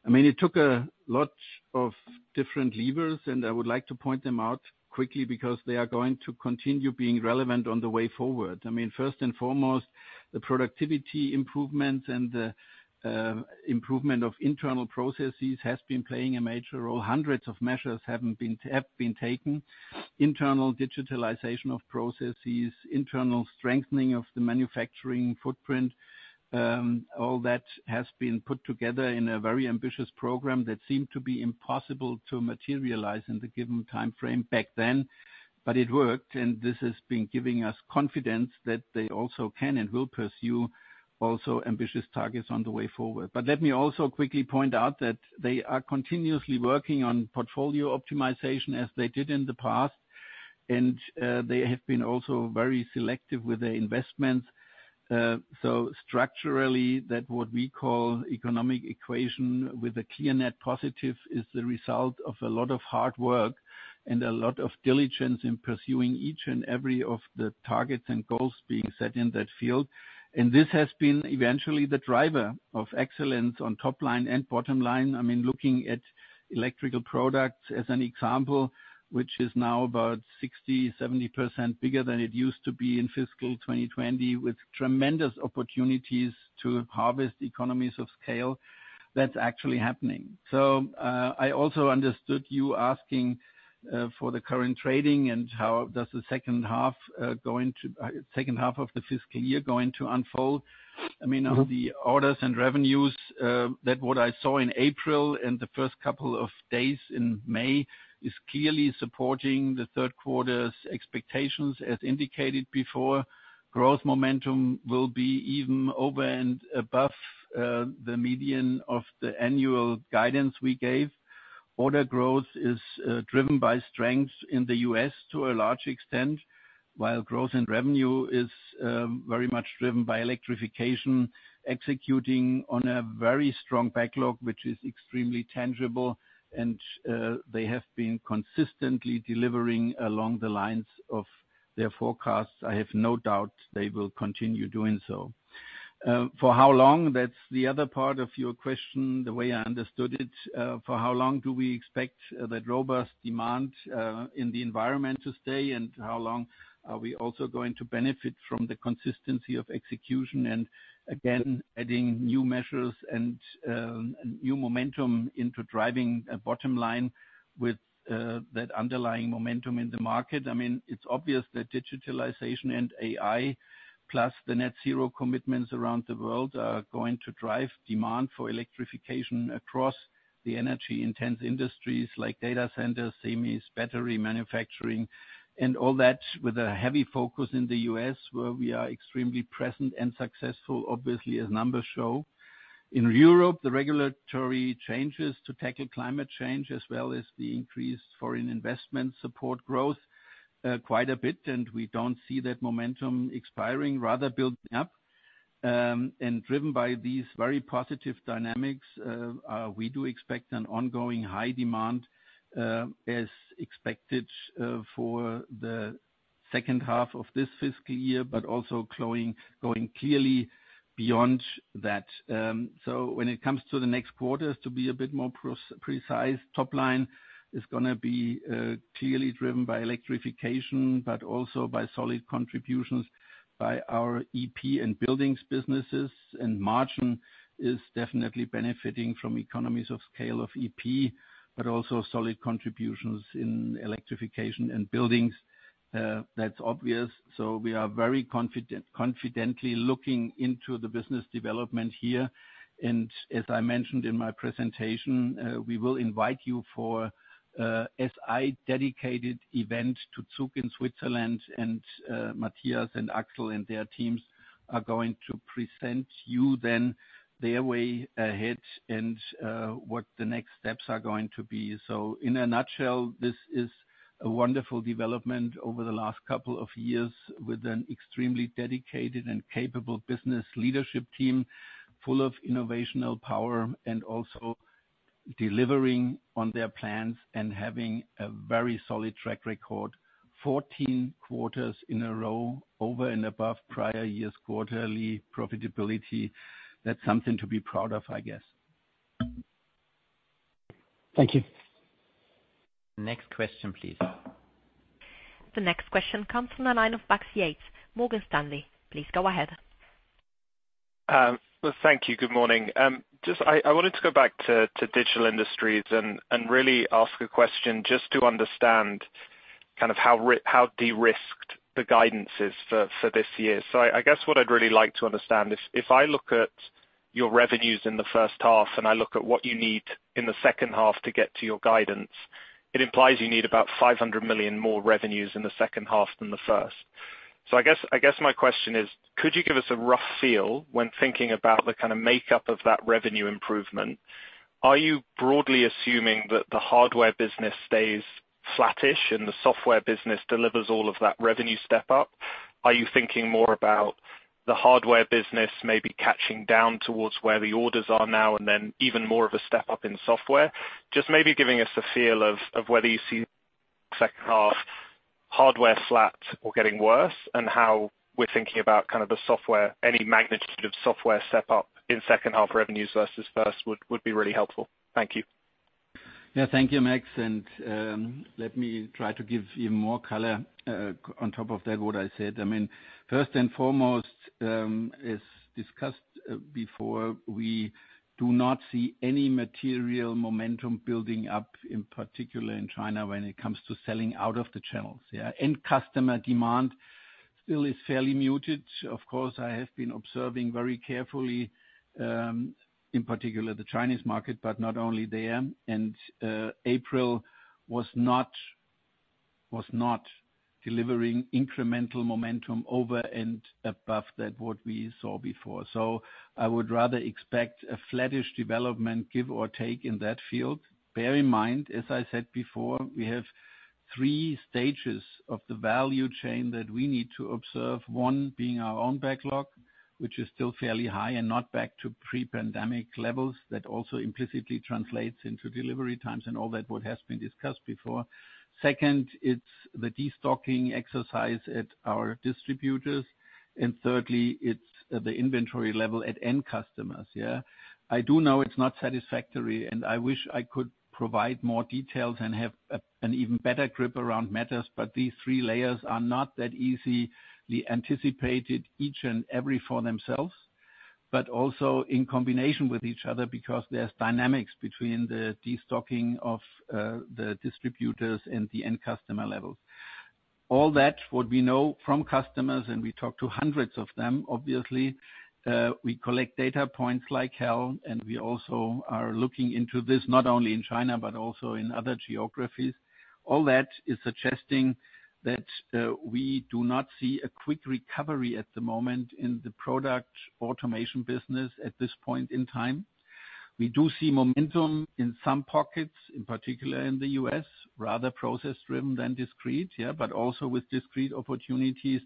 I mean, it took a lot of different levers, and I would like to point them out quickly because they are going to continue being relevant on the way forward. I mean, first and foremost, the productivity improvements and the improvement of internal processes has been playing a major role. Hundreds of measures have been taken. Internal digitalization of processes, internal strengthening of the manufacturing footprint, all that has been put together in a very ambitious program that seemed to be impossible to materialize in the given timeframe back then. But it worked, and this has been giving us confidence that they also can and will pursue also ambitious targets on the way forward. But let me also quickly point out that they are continuously working on portfolio optimization as they did in the past, and they have been also very selective with their investments. So structurally, that what we call economic equation with a clear net positive, is the result of a lot of hard work and a lot of diligence in pursuing each and every of the targets and goals being set in that field. And this has been eventually the driver of excellence on top line and bottom line. I mean, looking at electrical products as an example, which is now about 60%-70% bigger than it used to be in fiscal 2020, with tremendous opportunities to harvest economies of scale, that's actually happening. So, I also understood you asking, for the current trading and how does the second half, going to, second half of the fiscal year going to unfold? I mean, on the orders and revenues, that what I saw in April and the first couple of days in May, is clearly supporting the third quarter's expectations, as indicated before. Growth momentum will be even over and above, the median of the annual guidance we gave.... Order growth is driven by strength in the U.S. to a large extent, while growth in revenue is very much driven by electrification, executing on a very strong backlog, which is extremely tangible, and they have been consistently delivering along the lines of their forecasts. I have no doubt they will continue doing so. For how long? That's the other part of your question, the way I understood it. For how long do we expect that robust demand in the environment to stay, and how long are we also going to benefit from the consistency of execution? And again, adding new measures and new momentum into driving a bottom line with that underlying momentum in the market. I mean, it's obvious that digitalization and AI, plus the net zero commitments around the world, are going to drive demand for electrification across the energy-intense industries like data centers, SEMIs, battery manufacturing, and all that with a heavy focus in the U.S., where we are extremely present and successful, obviously, as numbers show. In Europe, the regulatory changes to tackle climate change, as well as the increased foreign investment support growth, quite a bit, and we don't see that momentum expiring, rather building up. And driven by these very positive dynamics, we do expect an ongoing high demand, as expected, for the second half of this fiscal year, but also going clearly beyond that. So when it comes to the next quarters, to be a bit more precise, top line is gonna be clearly driven by electrification, but also by solid contributions by our EP and buildings businesses. And margin is definitely benefiting from economies of scale of EP, but also solid contributions in electrification and buildings. That's obvious, so we are very confidently looking into the business development here. And as I mentioned in my presentation, we will invite you for a SI-dedicated event to Zug in Switzerland, and Matthias and Axel and their teams are going to present you then their way ahead and what the next steps are going to be. In a nutshell, this is a wonderful development over the last couple of years with an extremely dedicated and capable business leadership team, full of innovational power and also delivering on their plans and having a very solid track record, 14 quarters in a row over and above prior years' quarterly profitability. That's something to be proud of, I guess. Thank you. Next question, please. The next question comes from the line of Max Yates, Morgan Stanley. Please go ahead. Well, thank you. Good morning. Just, I wanted to go back to Digital Industries and really ask a question just to understand kind of how de-risked the guidance is for this year. So, I guess what I'd really like to understand is, if I look at your revenues in the first half, and I look at what you need in the second half to get to your guidance, it implies you need about 500 million more revenues in the second half than the first. So, I guess my question is: could you give us a rough feel when thinking about the kind of makeup of that revenue improvement? Are you broadly assuming that the hardware business stays flattish and the software business delivers all of that revenue step up? Are you thinking more about the hardware business maybe catching down towards where the orders are now and then even more of a step up in software? Just maybe giving us a feel of whether you see second half hardware flat or getting worse, and how we're thinking about kind of the software, any magnitude of software step up in second half revenues versus first, would be really helpful. Thank you. Yeah. Thank you, Max, and let me try to give even more color on top of that, what I said. I mean, first and foremost, as discussed before, we do not see any material momentum building up, in particular in China, when it comes to selling out of the channels, yeah. End customer demand still is fairly muted. Of course, I have been observing very carefully, in particular, the Chinese market, but not only there, and April was not delivering incremental momentum over and above that what we saw before. So I would rather expect a flattish development, give or take, in that field. Bear in mind, as I said before, we have three stages of the value chain that we need to observe, one being our own backlog, which is still fairly high and not back to pre-pandemic levels. That also implicitly translates into delivery times and all that, what has been discussed before. Second, it's the destocking exercise at our distributors, and thirdly, it's the inventory level at end customers, yeah? I do know it's not satisfactory, and I wish I could provide more details and have an even better grip around matters, but these three layers are not that easy. We anticipated each and every for themselves, but also in combination with each other, because there's dynamics between the destocking of the distributors and the end customer levels. All that what we know from customers, and we talk to hundreds of them, obviously. We collect data points like hell, and we also are looking into this, not only in China, but also in other geographies. All that is suggesting that we do not see a quick recovery at the moment in the product automation business at this point in time. We do see momentum in some pockets, in particular in the U.S., rather process-driven than discrete, yeah, but also with discrete opportunities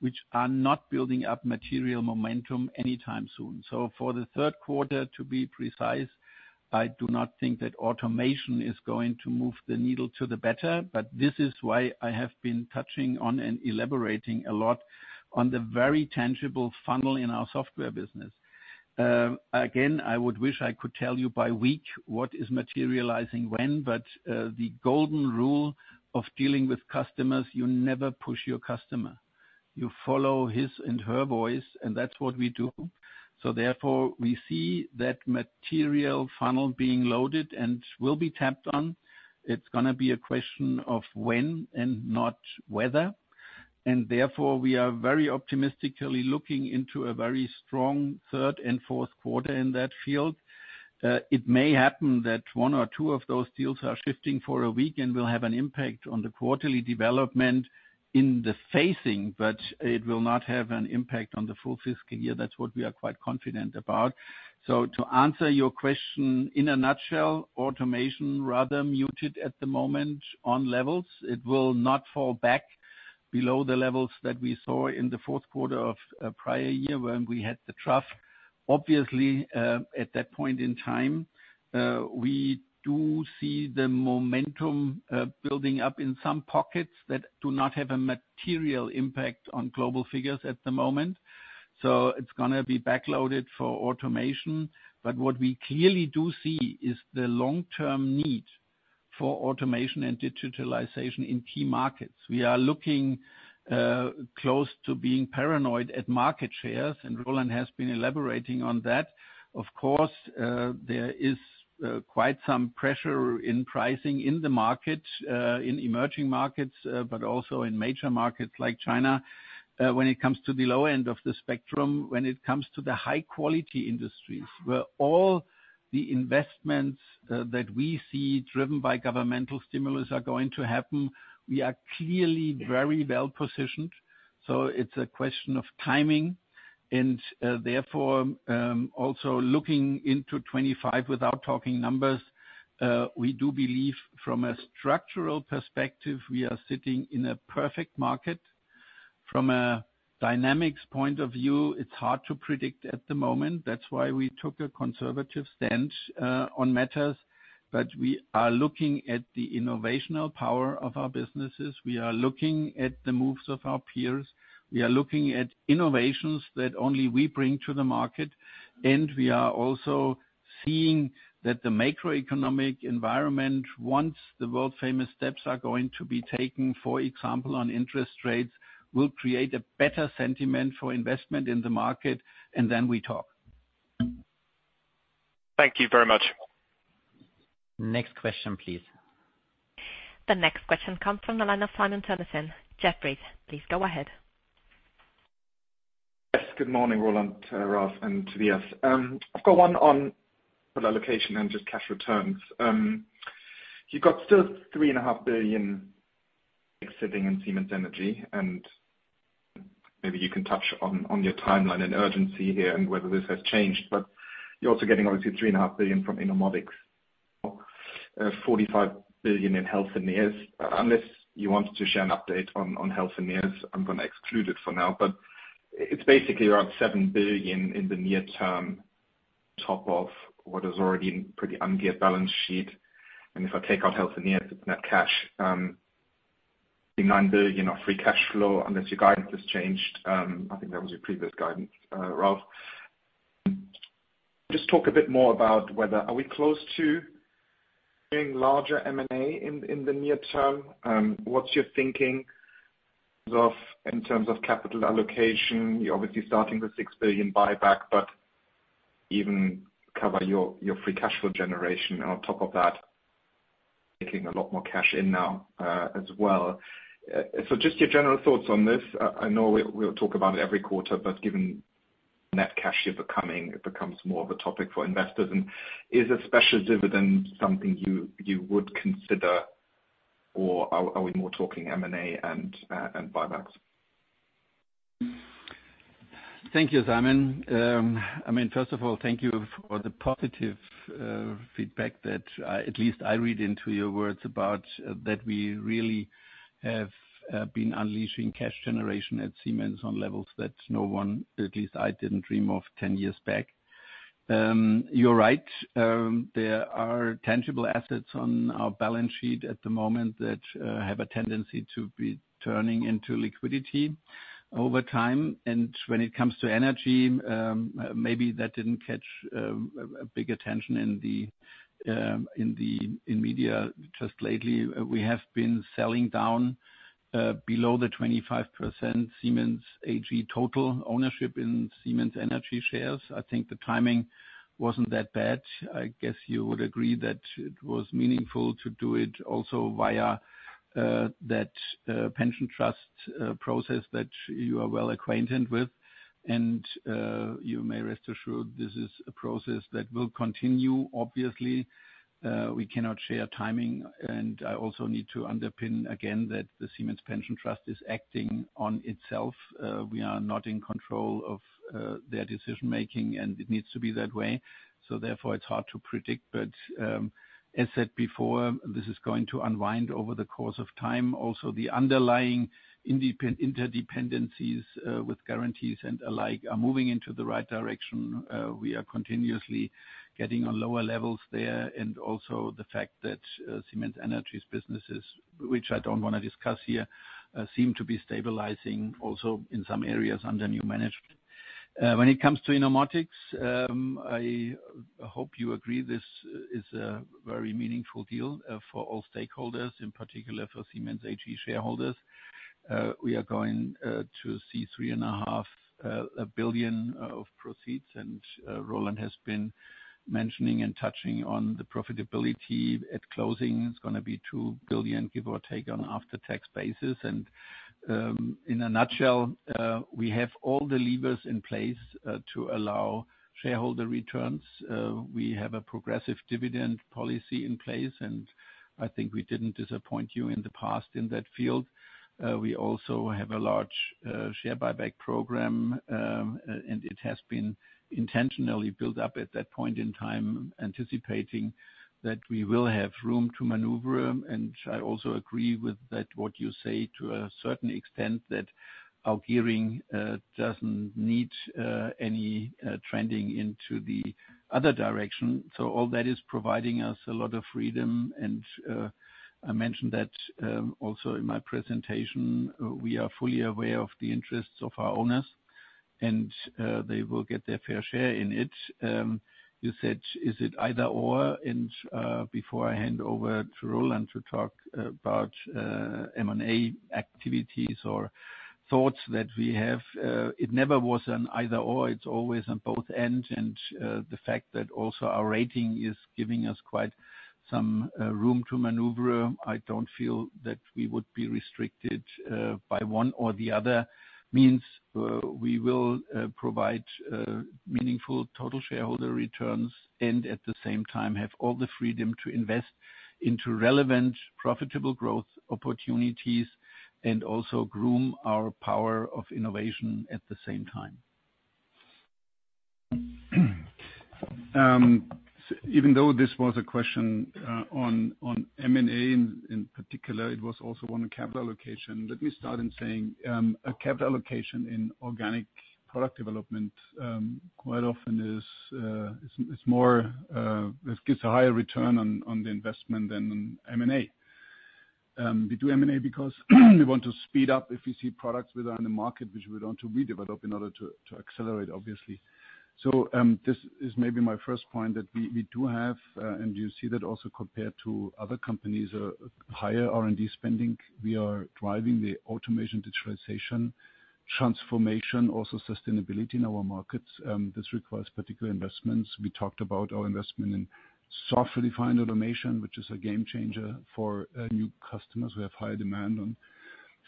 which are not building up material momentum anytime soon. So for the third quarter, to be precise, I do not think that automation is going to move the needle to the better, but this is why I have been touching on and elaborating a lot on the very tangible funnel in our software business. Again, I would wish I could tell you by week what is materializing when, but the golden rule of dealing with customers, you never push your customer. You follow his and her voice, and that's what we do. So therefore, we see that material funnel being loaded and will be tapped on. It's gonna be a question of when and not whether, and therefore, we are very optimistically looking into a very strong third and fourth quarter in that field. It may happen that one or two of those deals are shifting for a week and will have an impact on the quarterly development in the phasing, but it will not have an impact on the full fiscal year. That's what we are quite confident about. So to answer your question, in a nutshell, automation rather muted at the moment on levels. It will not fall back below the levels that we saw in the fourth quarter of a prior year when we had the trough. Obviously, at that point in time, we do see the momentum building up in some pockets that do not have a material impact on global figures at the moment. So it's gonna be backloaded for automation. But what we clearly do see is the long-term need for automation and digitalization in key markets. We are looking close to being paranoid at market shares, and Roland has been elaborating on that. Of course, there is quite some pressure in pricing in the market in emerging markets, but also in major markets like China, when it comes to the low end of the spectrum. When it comes to the high-quality industries, where all the investments that we see driven by governmental stimulus are going to happen, we are clearly very well positioned, so it's a question of timing. And, therefore, also looking into 2025 without talking numbers, we do believe from a structural perspective, we are sitting in a perfect market. From a dynamics point of view, it's hard to predict at the moment. That's why we took a conservative stance on matters. But we are looking at the innovational power of our businesses. We are looking at the moves of our peers. We are looking at innovations that only we bring to the market, and we are also seeing that the macroeconomic environment, once the world-famous steps are going to be taken, for example, on interest rates, will create a better sentiment for investment in the market, and then we talk. Thank you very much. Next question, please. The next question comes from the line of Simon Toennessen, Jefferies. Please go ahead. Yes, good morning, Roland, Ralf, and Tobias. I've got one on allocation and just cash returns. You've got still 3.5 billion sitting in Siemens Energy, and maybe you can touch on your timeline and urgency here and whether this has changed. But you're also getting obviously 3.5 billion from Innomotics, 45 billion in Healthineers. Unless you want to share an update on Healthineers, I'm gonna exclude it for now. But it's basically around 7 billion in the near term, top of what is already pretty underlevered balance sheet. And if I take out Healthineers, it's net cash, being 9 billion of free cash flow, unless your guidance has changed. I think that was your previous guidance, Ralf. Just talk a bit more about whether are we close to getting larger M&A in the near term? What's your thinking of in terms of capital allocation? You're obviously starting the 6 billion buyback, but even cover your free cash flow generation on top of that, taking a lot more cash in now, as well. So just your general thoughts on this. I know we'll talk about it every quarter, but given net cash here becoming, it becomes more of a topic for investors. And is a special dividend something you would consider, or are we more talking M&A and buybacks? Thank you, Simon. I mean, first of all, thank you for the positive feedback that, at least I read into your words about, that we really have been unleashing cash generation at Siemens on levels that no one, at least I, didn't dream of ten years back. You're right. There are tangible assets on our balance sheet at the moment that have a tendency to be turning into liquidity over time. And when it comes to energy, maybe that didn't catch a big attention in the media just lately. We have been selling down below the 25% Siemens AG total ownership in Siemens Energy shares. I think the timing wasn't that bad. I guess you would agree that it was meaningful to do it also via that pension trust process that you are well acquainted with. And you may rest assured this is a process that will continue, obviously. We cannot share timing, and I also need to underpin again that the Siemens Pension Trust is acting on itself. We are not in control of their decision-making, and it needs to be that way. So therefore, it's hard to predict. But as said before, this is going to unwind over the course of time. Also, the underlying interdependencies with guarantees and alike are moving into the right direction. We are continuously getting on lower levels there, and also the fact that, Siemens Energy's businesses, which I don't want to discuss here, seem to be stabilizing also in some areas under new management. When it comes to Innomotics, I hope you agree this is a very meaningful deal, for all stakeholders, in particular for Siemens AG shareholders. We are going to see 3.5 billion of proceeds, and Roland has been mentioning and touching on the profitability at closing. It's gonna be 2 billion, give or take, on an after-tax basis, and in a nutshell, we have all the levers in place to allow shareholder returns. We have a progressive dividend policy in place, and I think we didn't disappoint you in the past in that field. We also have a large share buyback program, and it has been intentionally built up at that point in time, anticipating that we will have room to maneuver. I also agree with that, what you say to a certain extent, that our gearing doesn't need any trending into the other direction. So all that is providing us a lot of freedom, and I mentioned that also in my presentation. We are fully aware of the interests of our owners, and they will get their fair share in it. You said, is it either/or, and before I hand over to Roland to talk about M&A activities or thoughts that we have, it never was an either/or. It's always on both ends, and the fact that also our rating is giving us quite some room to maneuver. I don't feel that we would be restricted by one or the other. That means we will provide meaningful total shareholder returns, and at the same time, have all the freedom to invest into relevant, profitable growth opportunities, and also grow our power of innovation at the same time. Even though this was a question on M&A in particular, it was also on a capital allocation. Let me start in saying a capital allocation in organic product development quite often is more; it gives a higher return on the investment than M&A. We do M&A because we want to speed up if we see products which are on the market, which we want to redevelop in order to accelerate, obviously. So, this is maybe my first point, that we do have, and you see that also compared to other companies, a higher R&D spending. We are driving the automation, digitalization, transformation, also sustainability in our markets. This requires particular investments. We talked about our investment in software-defined automation, which is a game changer for new customers. We have high demand on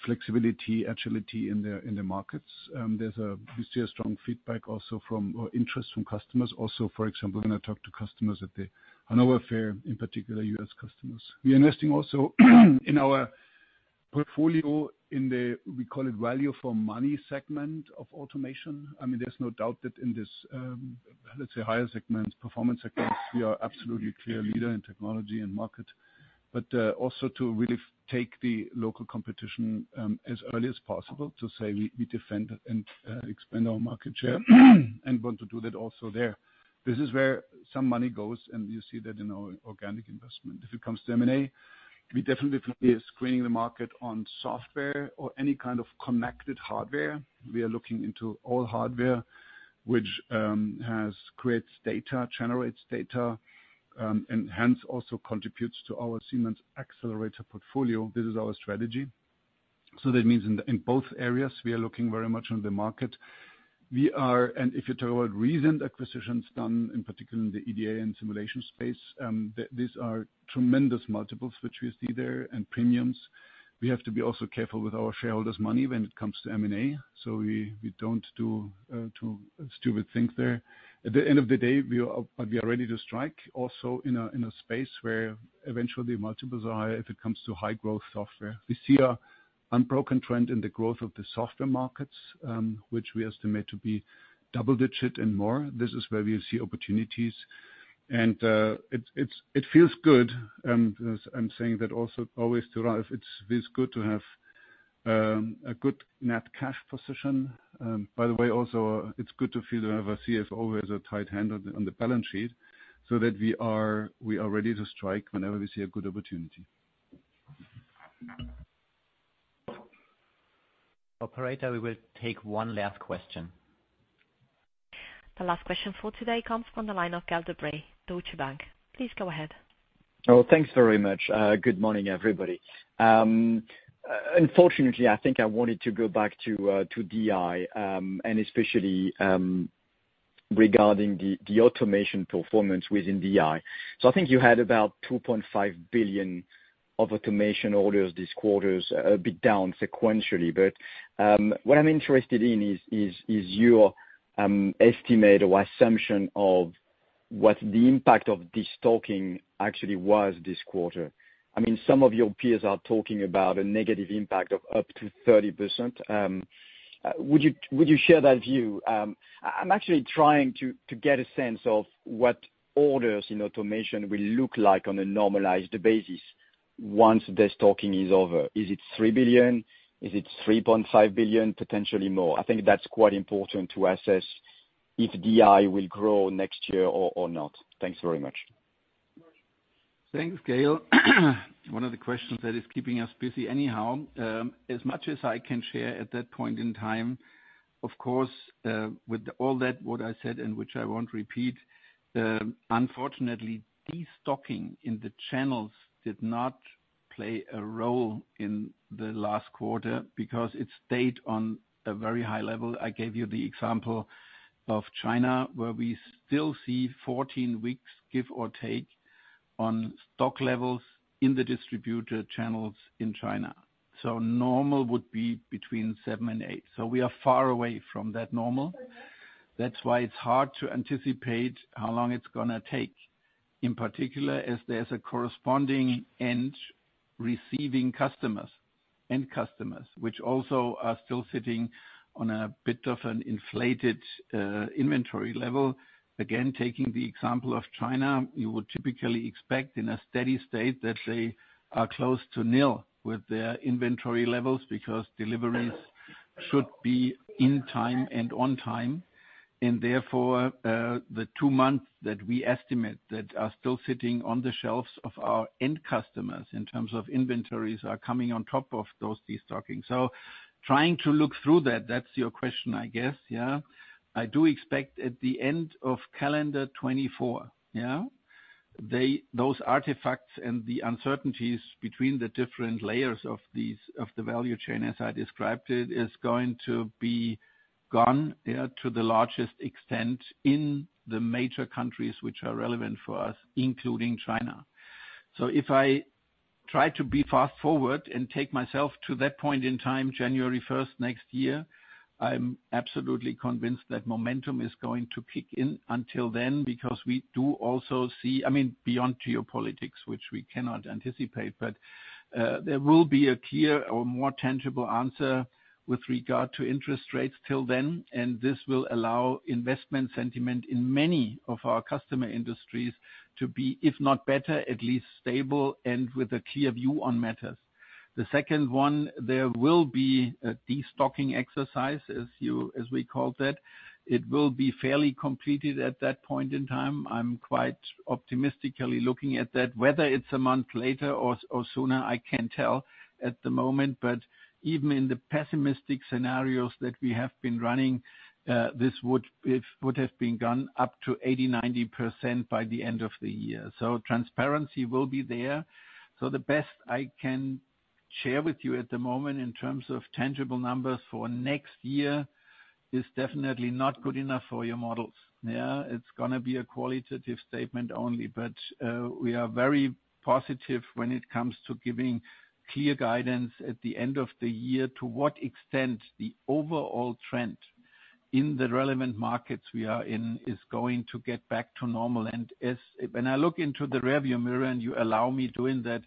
flexibility, agility in their markets. We see a strong feedback also from, or interest from customers. Also, for example, when I talk to customers at the Hannover Fair, in particular, U.S. customers. We are investing also in our portfolio, in the, we call it value for money segment of automation. I mean, there's no doubt that in this, let's say higher segment, performance segment, we are absolutely clear leader in technology and market. But, also to really take the local competition, as early as possible, to say we defend and expand our market share and want to do that also there. This is where some money goes, and you see that in our organic investment. If it comes to M&A, we definitely are screening the market on software or any kind of connected hardware. We are looking into all hardware which creates data, generates data, and hence also contributes to our Siemens Accelerator portfolio. This is our strategy. So that means in both areas, we are looking very much on the market. And if you talk about recent acquisitions done, in particular in the EDA and simulation space, these are tremendous multiples which we see there and premiums. We have to be also careful with our shareholders' money when it comes to M&A, so we don't do too stupid things there. At the end of the day, we are ready to strike also in a space where eventually multiples are higher if it comes to high growth software. We see an unbroken trend in the growth of the software markets, which we estimate to be double-digit and more. This is where we see opportunities. And, it feels good, as I'm saying that also, always derive, it's good to have a good net cash position. By the way, also, it's good to feel to have a CFO who has a tight hand on the balance sheet, so that we are ready to strike whenever we see a good opportunity. Operator, we will take one last question. The last question for today comes from the line of Gael de-Bray, Deutsche Bank. Please go ahead. Oh, thanks very much. Good morning, everybody. Unfortunately, I think I wanted to go back to DI, and especially regarding the automation performance within DI. So I think you had about 2.5 billion of automation orders this quarter, a bit down sequentially. But what I'm interested in is your estimate or assumption of what the impact of this destocking actually was this quarter. I mean, some of your peers are talking about a negative impact of up to 30%. Would you share that view? I'm actually trying to get a sense of what orders in automation will look like on a normalized basis once this destocking is over. Is it 3 billion? Is it 3.5 billion, potentially more? I think that's quite important to assess if DI will grow next year or not. Thanks very much. ... Thanks, Gal. One of the questions that is keeping us busy anyhow. As much as I can share at that point in time, of course, with all that what I said, and which I won't repeat, unfortunately, destocking in the channels did not play a role in the last quarter because it stayed on a very high level. I gave you the example of China, where we still see 14 weeks, give or take, on stock levels in the distributor channels in China. So normal would be between 7 and 8, so we are far away from that normal. That's why it's hard to anticipate how long it's gonna take, in particular, as there's a corresponding end receiving customers, end customers, which also are still sitting on a bit of an inflated inventory level. Again, taking the example of China, you would typically expect in a steady state that they are close to nil with their inventory levels, because deliveries should be in time and on time. And therefore, the two months that we estimate that are still sitting on the shelves of our end customers, in terms of inventories, are coming on top of those destocking. So trying to look through that, that's your question, I guess, yeah? I do expect at the end of calendar 2024, yeah, they, those artifacts and the uncertainties between the different layers of these, of the value chain, as I described it, is going to be gone, yeah, to the largest extent in the major countries which are relevant for us, including China. So if I try to be fast forward and take myself to that point in time, January 1st, next year, I'm absolutely convinced that momentum is going to kick in until then, because we do also see... I mean, beyond geopolitics, which we cannot anticipate. But, there will be a clear or more tangible answer with regard to interest rates till then, and this will allow investment sentiment in many of our customer industries to be, if not better, at least stable and with a clear view on matters. The second one, there will be a destocking exercise, as you, as we called that. It will be fairly completed at that point in time. I'm quite optimistically looking at that. Whether it's a month later or, or sooner, I can't tell at the moment. But even in the pessimistic scenarios that we have been running, this would, it would have been gone up to 80-90% by the end of the year. So transparency will be there. So the best I can share with you at the moment, in terms of tangible numbers for next year, is definitely not good enough for your models. Yeah, it's gonna be a qualitative statement only, but, we are very positive when it comes to giving clear guidance at the end of the year, to what extent the overall trend in the relevant markets we are in, is going to get back to normal. And as, when I look into the rearview mirror, and you allow me doing that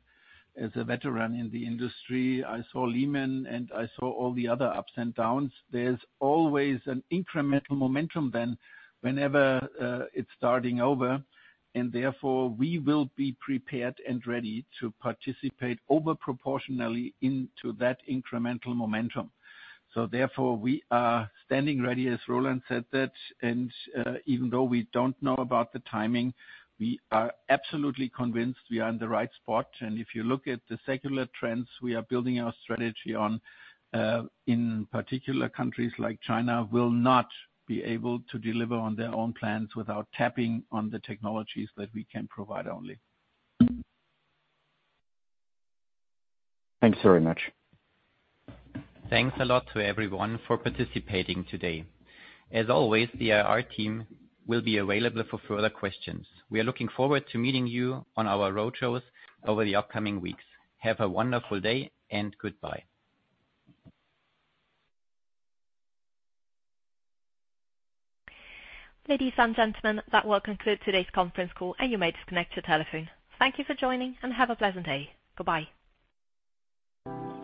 as a veteran in the industry, I saw Lehman and I saw all the other ups and downs. There's always an incremental momentum then, whenever, it's starting over, and therefore we will be prepared and ready to participate over proportionally into that incremental momentum. So therefore, we are standing ready, as Roland said that, and, even though we don't know about the timing, we are absolutely convinced we are in the right spot. And if you look at the secular trends we are building our strategy on, in particular, countries like China will not be able to deliver on their own plans without tapping on the technologies that we can provide only. Thanks very much. Thanks a lot to everyone for participating today. As always, the IR team will be available for further questions. We are looking forward to meeting you on our roadshows over the upcoming weeks. Have a wonderful day, and goodbye. Ladies and gentlemen, that will conclude today's conference call, and you may disconnect your telephone. Thank you for joining, and have a pleasant day. Goodbye.